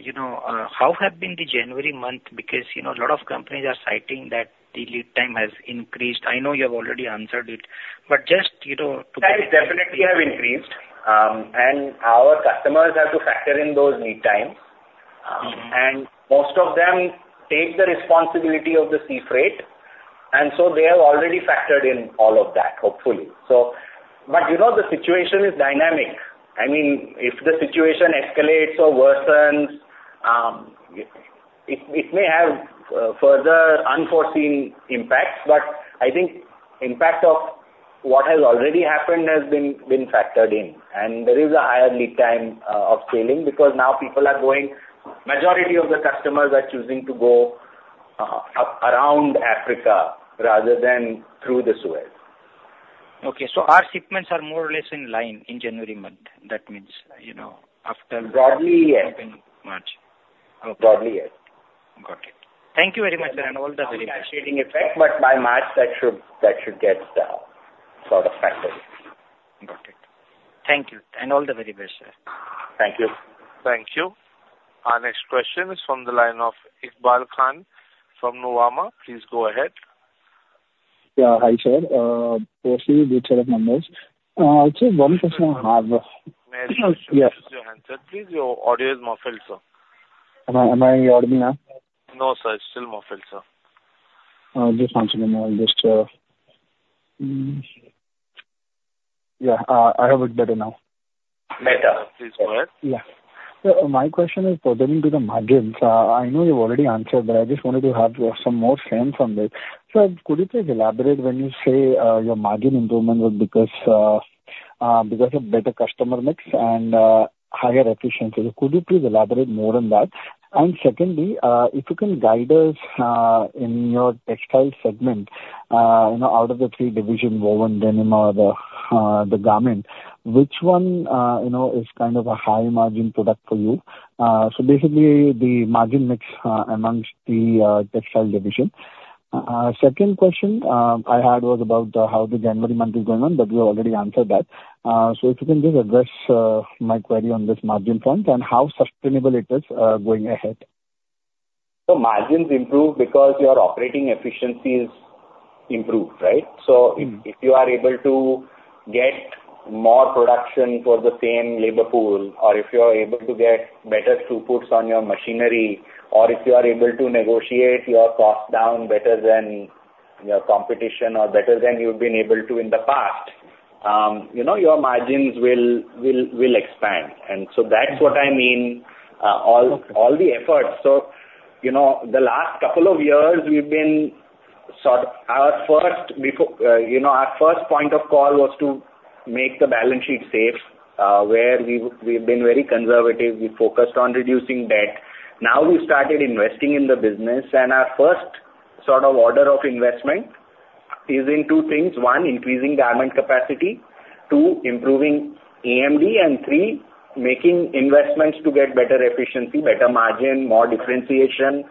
you know, how have been the January month? Because, you know, a lot of companies are citing that the lead time has increased. I know you have already answered it, but just, you know, to- Yeah, it definitely have increased, and our customers have to factor in those lead times. Mm-hmm. And most of them take the responsibility of the sea freight, and so they have already factored in all of that, hopefully. So, but you know, the situation is dynamic. I mean, if the situation escalates or worsens, it may have further unforeseen impacts, but I think impact of what has already happened has been factored in. And there is a higher lead time of sailing, because now people are going, majority of the customers are choosing to go up around Africa rather than through the Suez. Okay. So our shipments are more or less in line in January month. That means, you know, after- Probably, yes. March. Probably, yes. Got it. Thank you very much, sir, and all the very- Cascading effect, but by March, that should, that should get sort of factored in. Got it. Thank you, and all the very best, sir. Thank you. Thank you. Our next question is from the line of Iqbal Khan from Nuvama. Please go ahead. Yeah. Hi, sir. Firstly, good set of numbers. Actually, one question I have- May I ask you to lower your hand, sir, please? Your audio is muffled, sir. Am I audible now? No, sir, it's still muffled, sir. Just one second. I'll just... I have it better now. Better. Please go ahead. Yeah. So my question is pertaining to the margins. I know you've already answered, but I just wanted to have some more sense on this. Sir, could you please elaborate when you say your margin improvement was because of better customer mix and higher efficiencies? Could you please elaborate more on that? And secondly, if you can guide us in your textile segment, you know, out of the three divisions, woven, denim, or the garment, which one you know is kind of a high margin product for you? So basically the margin mix amongst the textile division. Second question I had was about how the January month is going on, but you already answered that. So, if you can just address my query on this margin front and how sustainable it is going ahead. Margins improve because your operating efficiency is improved, right? Mm. So if you are able to get more production for the same labor pool, or if you are able to get better throughputs on your machinery, or if you are able to negotiate your cost down better than your competition or better than you've been able to in the past, you know, your margins will expand. Mm. And so that's what I mean. Okay. All the efforts. So, you know, the last couple of years, we've been, you know, our first point of call was to make the balance sheet safe, where we've been very conservative. We focused on reducing debt. Now, we started investing in the business, and our first sort of order of investment is in two things: one, increasing garment capacity, two, improving AMD, and three, making investments to get better efficiency, better margin, more differentiation,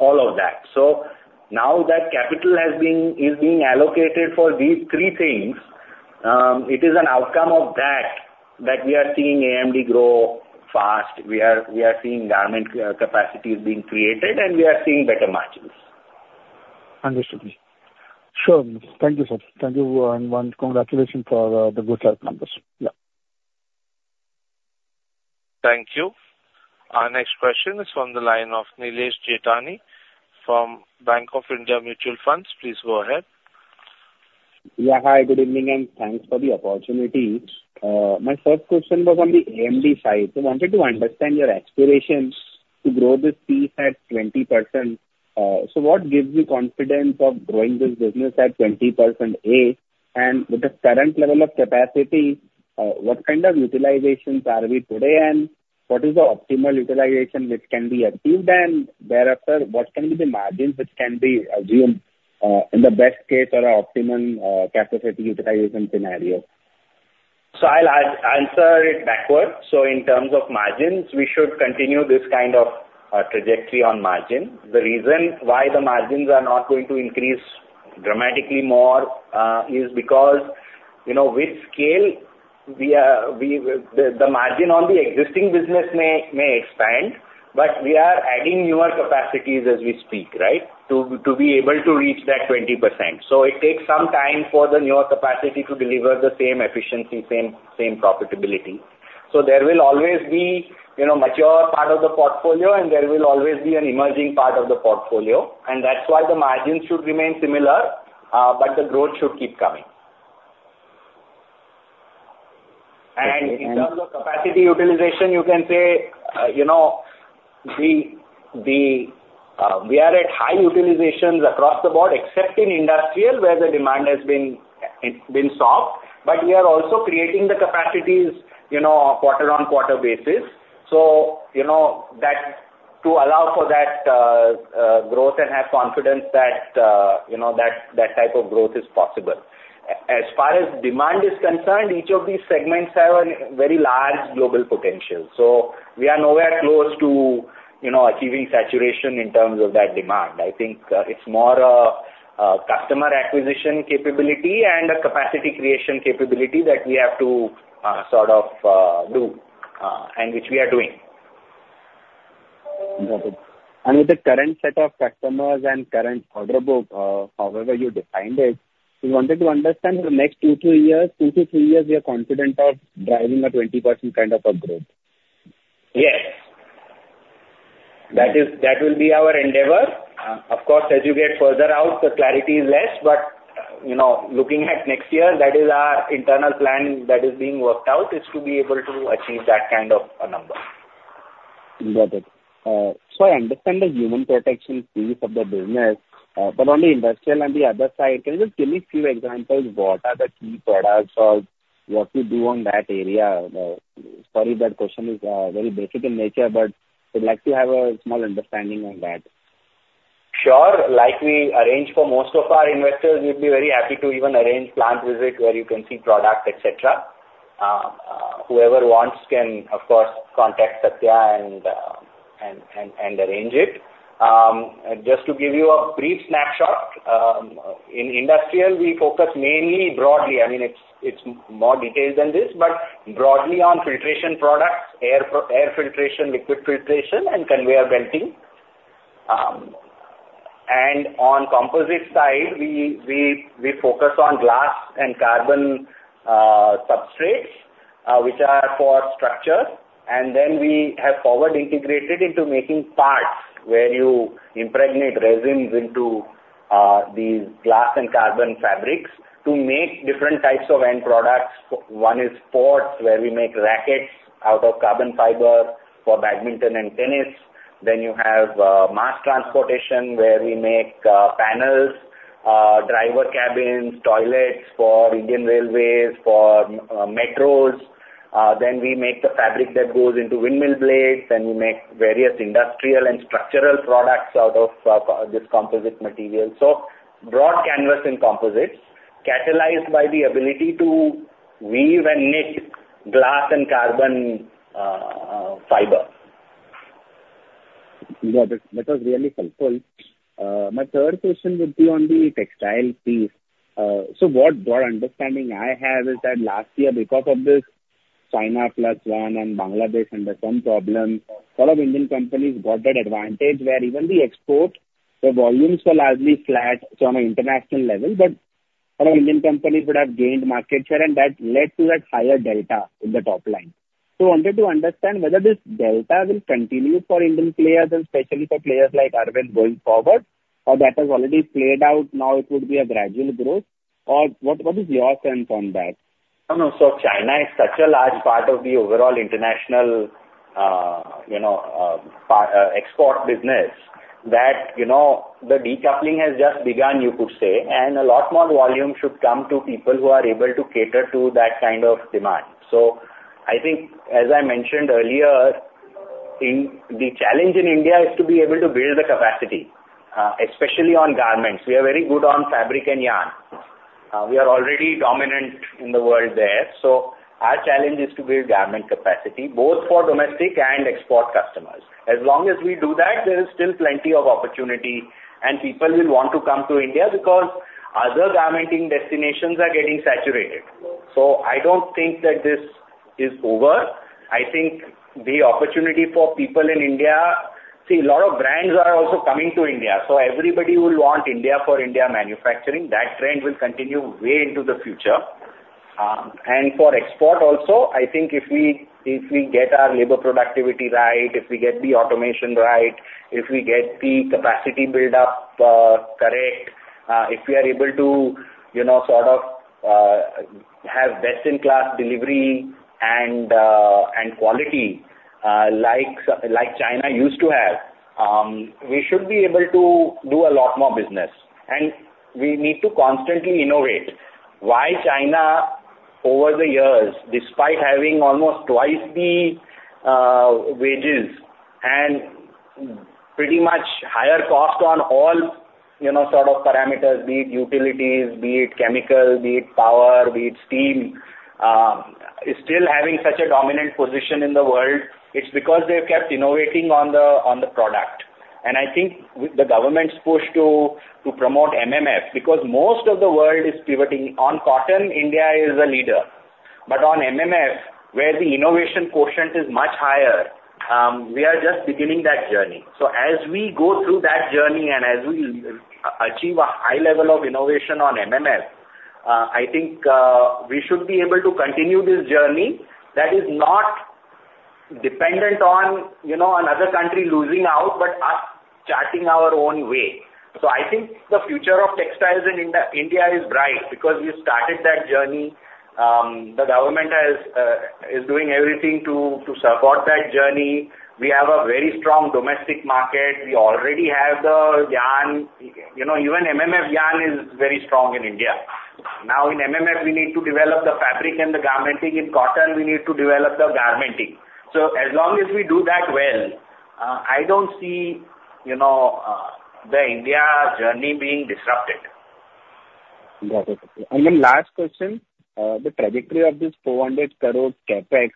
all of that. So now that capital has been, is being allocated for these three things, it is an outcome of that we are seeing AMD grow fast. We are seeing garment capacities being created, and we are seeing better margins. Understood. Sure. Thank you, sir. Thank you, and one congratulations for the good set of numbers. Yeah. Thank you. Our next question is from the line of Nilesh Jaitani from Bank of India Mutual Funds. Please go ahead. Yeah. Hi, good evening, and thanks for the opportunity. My first question was on the AMD side. So wanted to understand your aspirations to grow this piece at 20%. So what gives you confidence of growing this business at 20%, A? And with the current level of capacity, what kind of utilizations are we today, and what is the optimal utilization which can be achieved? And thereafter, what can be the margins which can be assumed, in the best case or optimum, capacity utilization scenario? So I'll answer it backwards. So in terms of margins, we should continue this kind of trajectory on margin. The reason why the margins are not going to increase dramatically more is because, you know, with scale, we are, we -- the, the margin on the existing business may, may expand, but we are adding newer capacities as we speak, right? To, to be able to reach that 20%. So it takes some time for the newer capacity to deliver the same efficiency, same, same profitability. So there will always be, you know, mature part of the portfolio, and there will always be an emerging part of the portfolio, and that's why the margins should remain similar, but the growth should keep coming. Okay, and- In terms of capacity utilization, you can say, you know, we are at high utilizations across the board, except in industrial, where the demand has been, it's been soft. But we are also creating the capacities, you know, quarter on quarter basis, so you know, that, to allow for that, growth and have confidence that, you know, that, that type of growth is possible. As far as demand is concerned, each of these segments have a very large global potential. So we are nowhere close to... you know, achieving saturation in terms of that demand. I think, it's more a, customer acquisition capability and a capacity creation capability that we have to, sort of, do, and which we are doing. Got it. With the current set of customers and current order book, however you defined it, we wanted to understand in the next 2-3 years, 2-3 years, you're confident of driving a 20% kind of a growth? Yes. That will be our endeavor. Of course, as you get further out, the clarity is less, but, you know, looking at next year, that is our internal plan that is being worked out, is to be able to achieve that kind of a number. Got it. So I understand the human protection piece of the business, but on the industrial and the other side, can you just give me a few examples? What are the key products or what you do on that area? Sorry, if that question is very basic in nature, but I'd like to have a small understanding on that. Sure. Like we arrange for most of our investors, we'd be very happy to even arrange plant visit where you can see product, et cetera. Whoever wants can, of course, contact Satya and arrange it. Just to give you a brief snapshot, in industrial, we focus mainly, broadly, I mean, it's more detailed than this, but broadly on filtration products, air filtration, liquid filtration, and conveyor belting. And on composite side, we focus on glass and carbon substrates, which are for structure, and then we have forward integrated into making parts where you impregnate resins into these glass and carbon fabrics to make different types of end products. One is sports, where we make rackets out of carbon fiber for badminton and tennis. Then you have mass transportation, where we make panels, driver cabins, toilets for Indian Railways, for metros. Then we make the fabric that goes into windmill blades, and we make various industrial and structural products out of this composite material. So broad canvas in composites, catalyzed by the ability to weave and knit glass and carbon fiber. Yeah, that, that was really helpful. My third question would be on the textile piece. So what broad understanding I have is that last year, because of this China plus one and Bangladesh and the some problems, lot of Indian companies got that advantage where even the export, the volumes were largely flat, so on an international level, but a lot of Indian companies would have gained market share, and that led to that higher delta in the top line. So wanted to understand whether this delta will continue for Indian players and especially for players like Arvind going forward, or that has already played out, now it would be a gradual growth, or what, what is your sense on that? No, no. So China is such a large part of the overall international, you know, export business, that, you know, the decoupling has just begun, you could say, and a lot more volume should come to people who are able to cater to that kind of demand. So I think, as I mentioned earlier, the challenge in India is to be able to build the capacity, especially on garments. We are very good on fabric and yarn. We are already dominant in the world there. So our challenge is to build garment capacity, both for domestic and export customers. As long as we do that, there is still plenty of opportunity, and people will want to come to India because other garmenting destinations are getting saturated. So I don't think that this is over. I think the opportunity for people in India... See, a lot of brands are also coming to India, so everybody will want India for India manufacturing. That trend will continue way into the future. And for export also, I think if we, if we get our labor productivity right, if we get the automation right, if we get the capacity build-up correct, if we are able to, you know, sort of, have best-in-class delivery and, and quality, like China used to have, we should be able to do a lot more business. And we need to constantly innovate. Why China, over the years, despite having almost twice the wages and pretty much higher cost on all, you know, sort of parameters, be it utilities, be it chemical, be it power, be it steam, is still having such a dominant position in the world? It's because they've kept innovating on the product. And I think with the government's push to promote MMF, because most of the world is pivoting on cotton, India is a leader. But on MMF, where the innovation quotient is much higher, we are just beginning that journey. So as we go through that journey and as we achieve a high level of innovation on MMF, I think we should be able to continue this journey that is not dependent on, you know, another country losing out, but us charting our own way. So I think the future of textiles in India is bright because we started that journey. The government is doing everything to support that journey. We have a very strong domestic market. We already have the yarn. You know, even MMF yarn is very strong in India. Now, in MMF, we need to develop the fabric and the garmenting. In cotton, we need to develop the garmenting. So as long as we do that well, I don't see, you know, the India journey being disrupted.... Got it. And then last question, the trajectory of this 400 crore CapEx,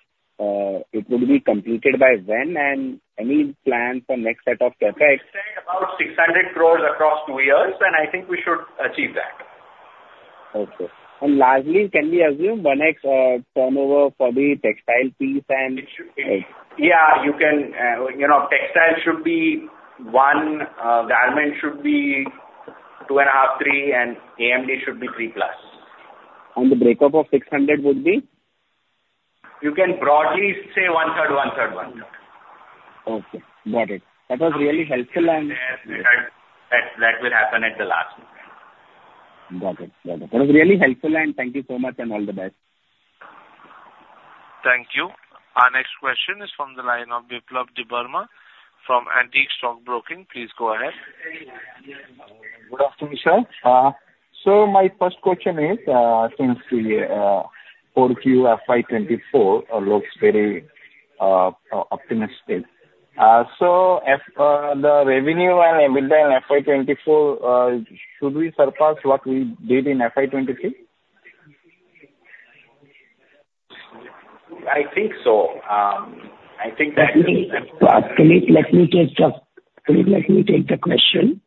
it would be completed by when, and any plan for next set of CapEx? We said about 600 crore across 2 years, and I think we should achieve that. Okay. And lastly, can we assume one X turnover for the textile piece and- Yeah, you can, you know, textile should be 1, garment should be 2.5-3, and AMD should be 3+. The breakup of 600 would be? You can broadly say one third, one third, one third. Okay, got it. That was really helpful and- Yes, that, that will happen at the last moment. Got it. Got it. That was really helpful, and thank you so much, and all the best. Thank you. Our next question is from the line of Biplab Debbarma from Antique Stock Broking. Please go ahead. Good afternoon, sir. So my first question is, since the 4Q FY 2024 looks very optimistic. So the revenue and EBITDA in FY 2024, should we surpass what we did in FY 2023? I think so. I think that- Let me take the question.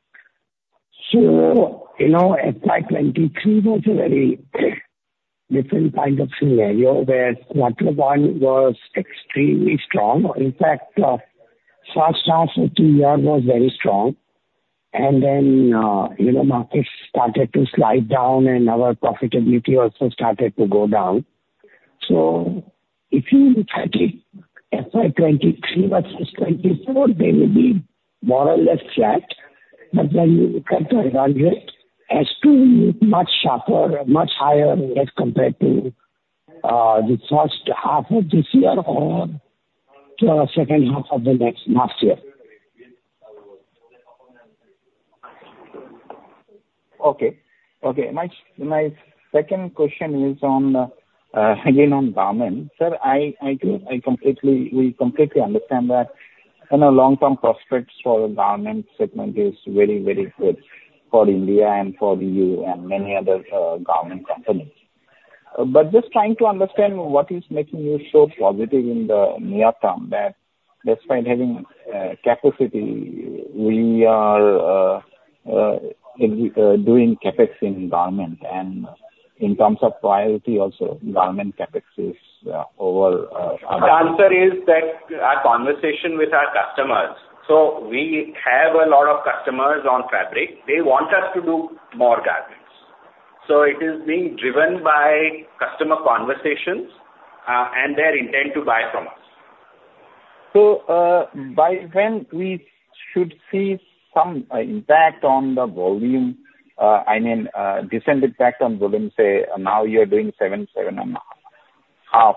So, you know, FY 2023 was a very different kind of scenario, where quarter one was extremely strong. In fact, first half of the year was very strong. And then, you know, markets started to slide down and our profitability also started to go down. So if you look at it, FY 2023 versus 2024, they will be more or less flat. But when you look at the run rate, H2 will be much sharper, much higher as compared to the first half of this year or to our second half of the next year. Okay. Okay. My, my second question is on, again, on garment. Sir, I, I do, I completely, we completely understand that, you know, long-term prospects for the garment segment is very, very good for India and for you and many other garment companies. But just trying to understand what is making you so positive in the near term, that despite having capacity, we are doing CapEx in garment and in terms of priority, also, garment CapEx is over other- The answer is that our conversation with our customers. So we have a lot of customers on fabric. They want us to do more garments. So it is being driven by customer conversations, and their intent to buy from us. So, by when we should see some impact on the volume, I mean, decent impact on volume, say, now you're doing 7-7.5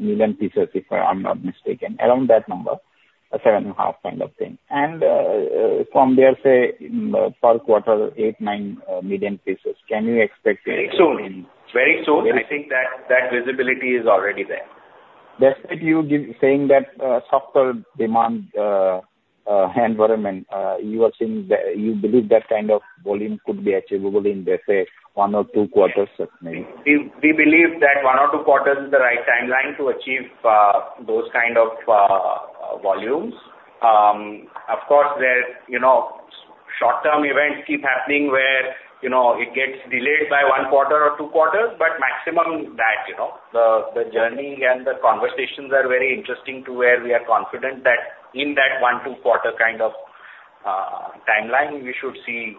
million pieces, if I'm not mistaken, around that number, 7.5 kind of thing. And from there, say, per quarter, 8-9 million pieces. Can you expect- Very soon. Very soon. Very- I think that visibility is already there. Despite you give, saying that, softer demand environment, you are saying that you believe that kind of volume could be achievable in, let's say, one or two quarters of maybe? We believe that one or two quarters is the right timeline to achieve those kind of volumes. Of course, there's, you know, short-term events keep happening where, you know, it gets delayed by one quarter or two quarters, but maximum that, you know. The journey and the conversations are very interesting to where we are confident that in that one, two quarter kind of timeline, we should see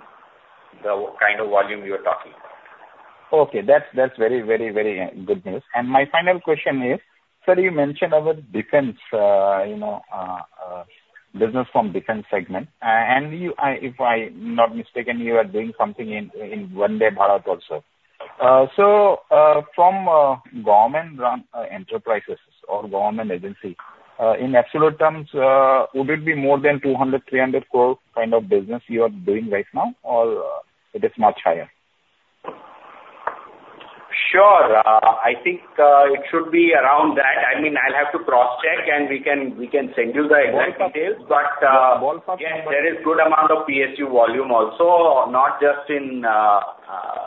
the kind of volume you are talking about. Okay. That's very, very, very good news. And my final question is: Sir, you mentioned about defense, you know, business from defense segment. And if I'm not mistaken, you are doing something in Vande Bharat also. So, from government-run enterprises or government agency, in absolute terms, would it be more than 200-300 crore kind of business you are doing right now, or it is much higher? Sure. I think, it should be around that. I mean, I'll have to cross-check, and we can, we can send you the exact details. Ballpark. But, uh- Ballpark. Yes, there is good amount of PSU volume also, not just in,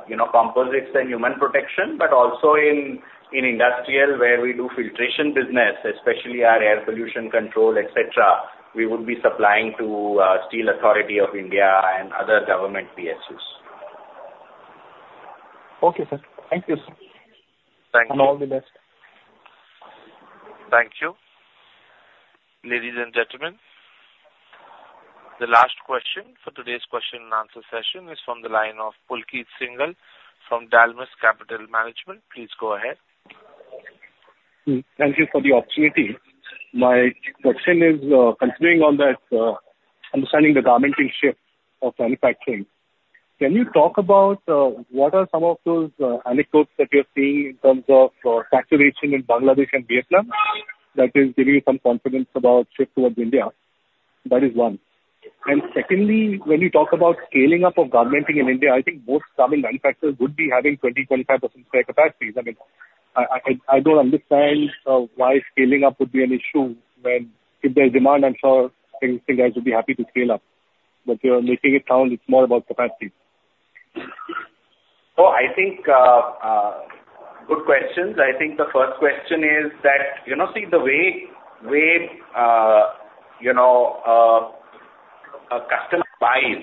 you know, composites and human protection, but also in, in industrial, where we do filtration business, especially our air pollution control, et cetera. We would be supplying to, Steel Authority of India and other government PSUs. Okay, sir. Thank you. Thank you. All the best. Thank you. Ladies and gentlemen, the last question for today's question and answer session is from the line of Pulkit Singhal from Dalmus Capital Management. Please go ahead. Thank you for the opportunity. My question is, continuing on that, understanding the garmenting shift of manufacturing. Can you talk about what are some of those anecdotes that you're seeing in terms of saturation in Bangladesh and Vietnam, that is giving you some confidence about shift towards India? That is one. And secondly, when you talk about scaling up of garmenting in India, I think most garment manufacturers would be having 20-25% spare capacities. I mean, I don't understand why scaling up would be an issue when if there's demand, I'm sure you guys would be happy to scale up, but you're making it sound it's more about capacity. So I think, good questions. I think the first question is that, you know, see, the way, way, you know, a customer buys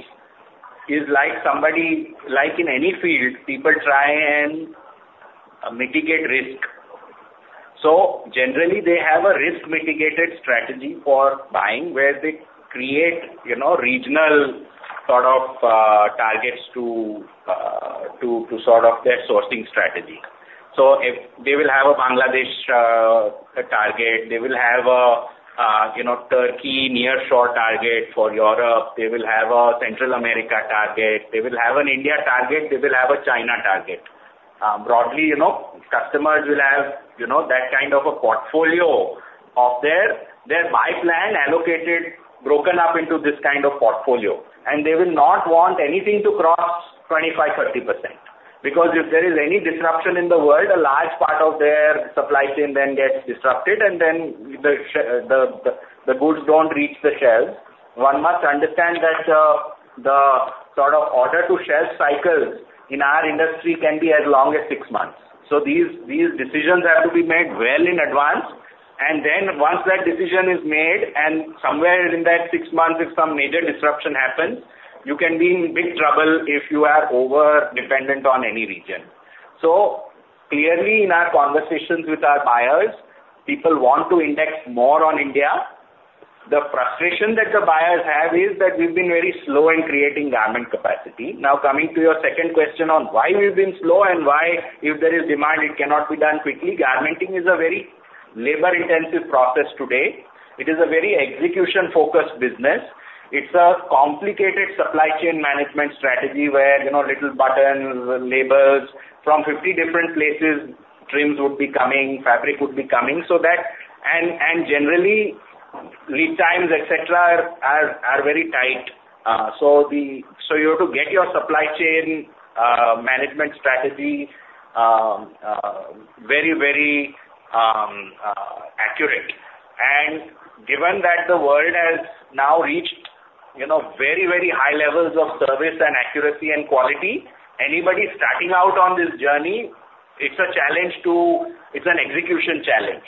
is like somebody like in any field, people try and mitigate risk. So generally, they have a risk mitigated strategy for buying, where they create, you know, regional sort of, targets to, to, to sort of their sourcing strategy. So if they will have a Bangladesh, target, they will have a, you know, Turkey near shore target for Europe, they will have a Central America target, they will have an India target, they will have a China target. Broadly, you know, customers will have, you know, that kind of a portfolio of their buy plan allocated, broken up into this kind of portfolio, and they will not want anything to cross 25-30%, because if there is any disruption in the world, a large part of their supply chain then gets disrupted, and then the goods don't reach the shelves. One must understand that the sort of order to shelf cycles in our industry can be as long as six months. So these decisions have to be made well in advance, and then once that decision is made and somewhere in that six months, if some major disruption happens, you can be in big trouble if you are over dependent on any region. So clearly, in our conversations with our buyers, people want to index more on India. The frustration that the buyers have is that we've been very slow in creating garment capacity. Now, coming to your second question on why we've been slow and why, if there is demand, it cannot be done quickly. Garmenting is a very labor-intensive process today. It is a very execution-focused business. It's a complicated supply chain management strategy where, you know, little buttons, labels from 50 different places, trims would be coming, fabric would be coming. Generally, lead times, et cetera, are very tight. So you have to get your supply chain management strategy very, very accurate. And given that the world has now reached, you know, very, very high levels of service and accuracy and quality, anybody starting out on this journey, it's a challenge. It's an execution challenge.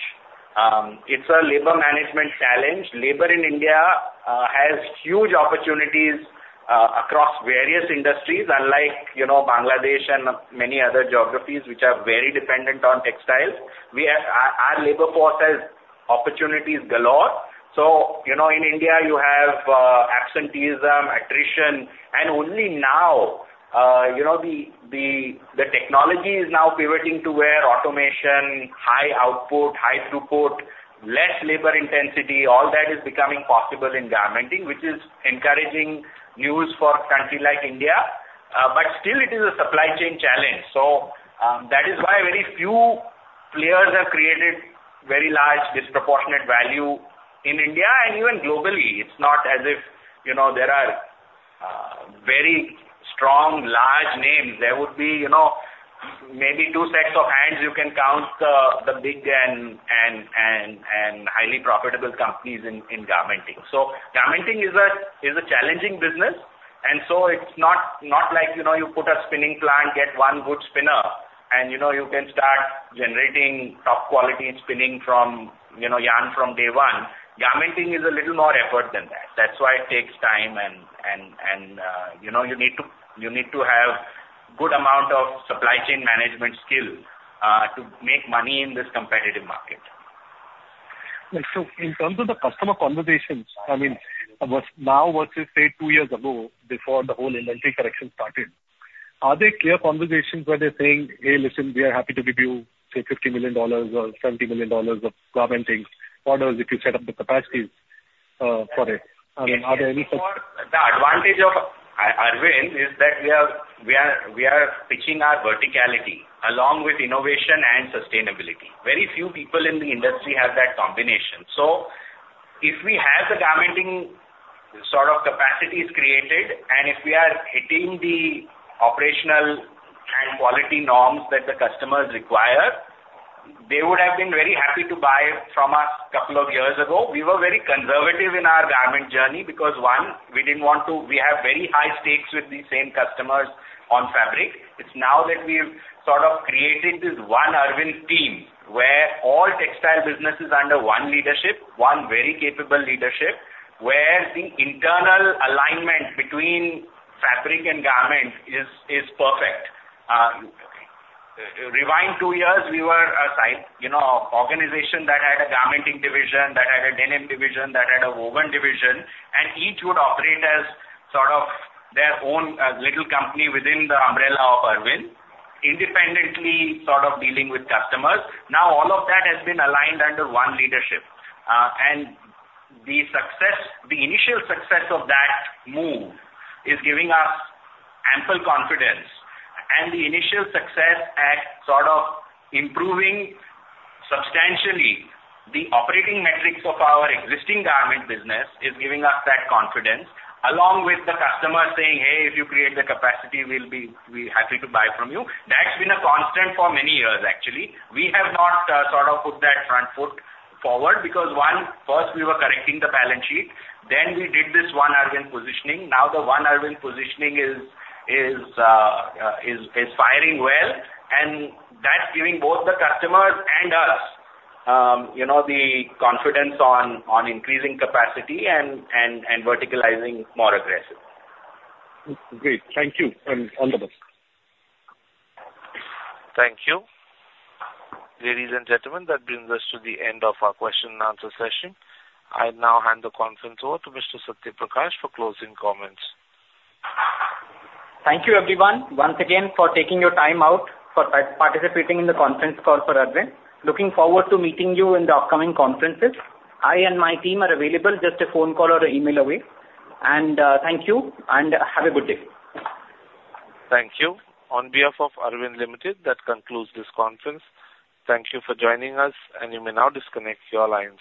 It's a labor management challenge. Labor in India has huge opportunities across various industries. Unlike, you know, Bangladesh and many other geographies, which are very dependent on textiles, we have our labor force has opportunities galore. So, you know, in India, you have absenteeism, attrition, and only now, you know, the technology is now pivoting to where automation, high output, high throughput, less labor intensity, all that is becoming possible in garmenting, which is encouraging news for a country like India, but still it is a supply chain challenge. So, that is why very few players have created very large disproportionate value in India and even globally. It's not as if, you know, there are very strong, large names. There would be, you know, maybe two sets of hands you can count the big and highly profitable companies in garmenting. So garmenting is a challenging business, and it's not like, you know, you put a spinning plant, get one good spinner, and, you know, you can start generating top quality and spinning from yarn from day one. Garmenting is a little more effort than that. That's why it takes time and, you know, you need to have good amount of supply chain management skill to make money in this competitive market. Well, so in terms of the customer conversations, I mean, now versus, say, two years ago, before the whole industry correction started, are there clear conversations where they're saying, "Hey, listen, we are happy to give you, say, $50 million or $70 million of garmenting orders if you set up the capacities, for it?" I mean, are there any such- The advantage of Arvind is that we are pitching our verticality along with innovation and sustainability. Very few people in the industry have that combination. So if we have the garmenting sort of capacities created, and if we are hitting the operational and quality norms that the customers require, they would have been very happy to buy from us a couple of years ago. We were very conservative in our garment journey because, one, we didn't want to. We have very high stakes with the same customers on fabric. It's now that we've sort of created this One Arvind team where all textile business is under one leadership, one very capable leadership, where the internal alignment between fabric and garment is perfect. Rewind two years, we were a, you know, organization that had a garmenting division, that had a denim division, that had a woven division, and each would operate as sort of their own little company within the umbrella of Arvind, independently sort of dealing with customers. Now, all of that has been aligned under one leadership, and the success, the initial success of that move is giving us ample confidence. The initial success at sort of improving substantially the operating metrics of our existing garment business is giving us that confidence, along with the customer saying, "Hey, if you create the capacity, we'll be happy to buy from you." That's been a constant for many years, actually. We have not sort of put that front foot forward because, one, first, we were correcting the balance sheet, then we did this One Arvind positioning. Now, the One Arvind positioning is firing well, and that's giving both the customers and us, you know, the confidence on increasing capacity and verticalizing more aggressive. Great. Thank you, and all the best. Thank you. Ladies and gentlemen, that brings us to the end of our question and answer session. I now hand the conference over to Mr. Satya Prakash for closing comments. Thank you everyone, once again, for taking your time out for participating in the conference call for Arvind. Looking forward to meeting you in the upcoming conferences. I and my team are available, just a phone call or email away. Thank you, and have a good day. Thank you. On behalf of Arvind Limited, that concludes this conference. Thank you for joining us, and you may now disconnect your lines.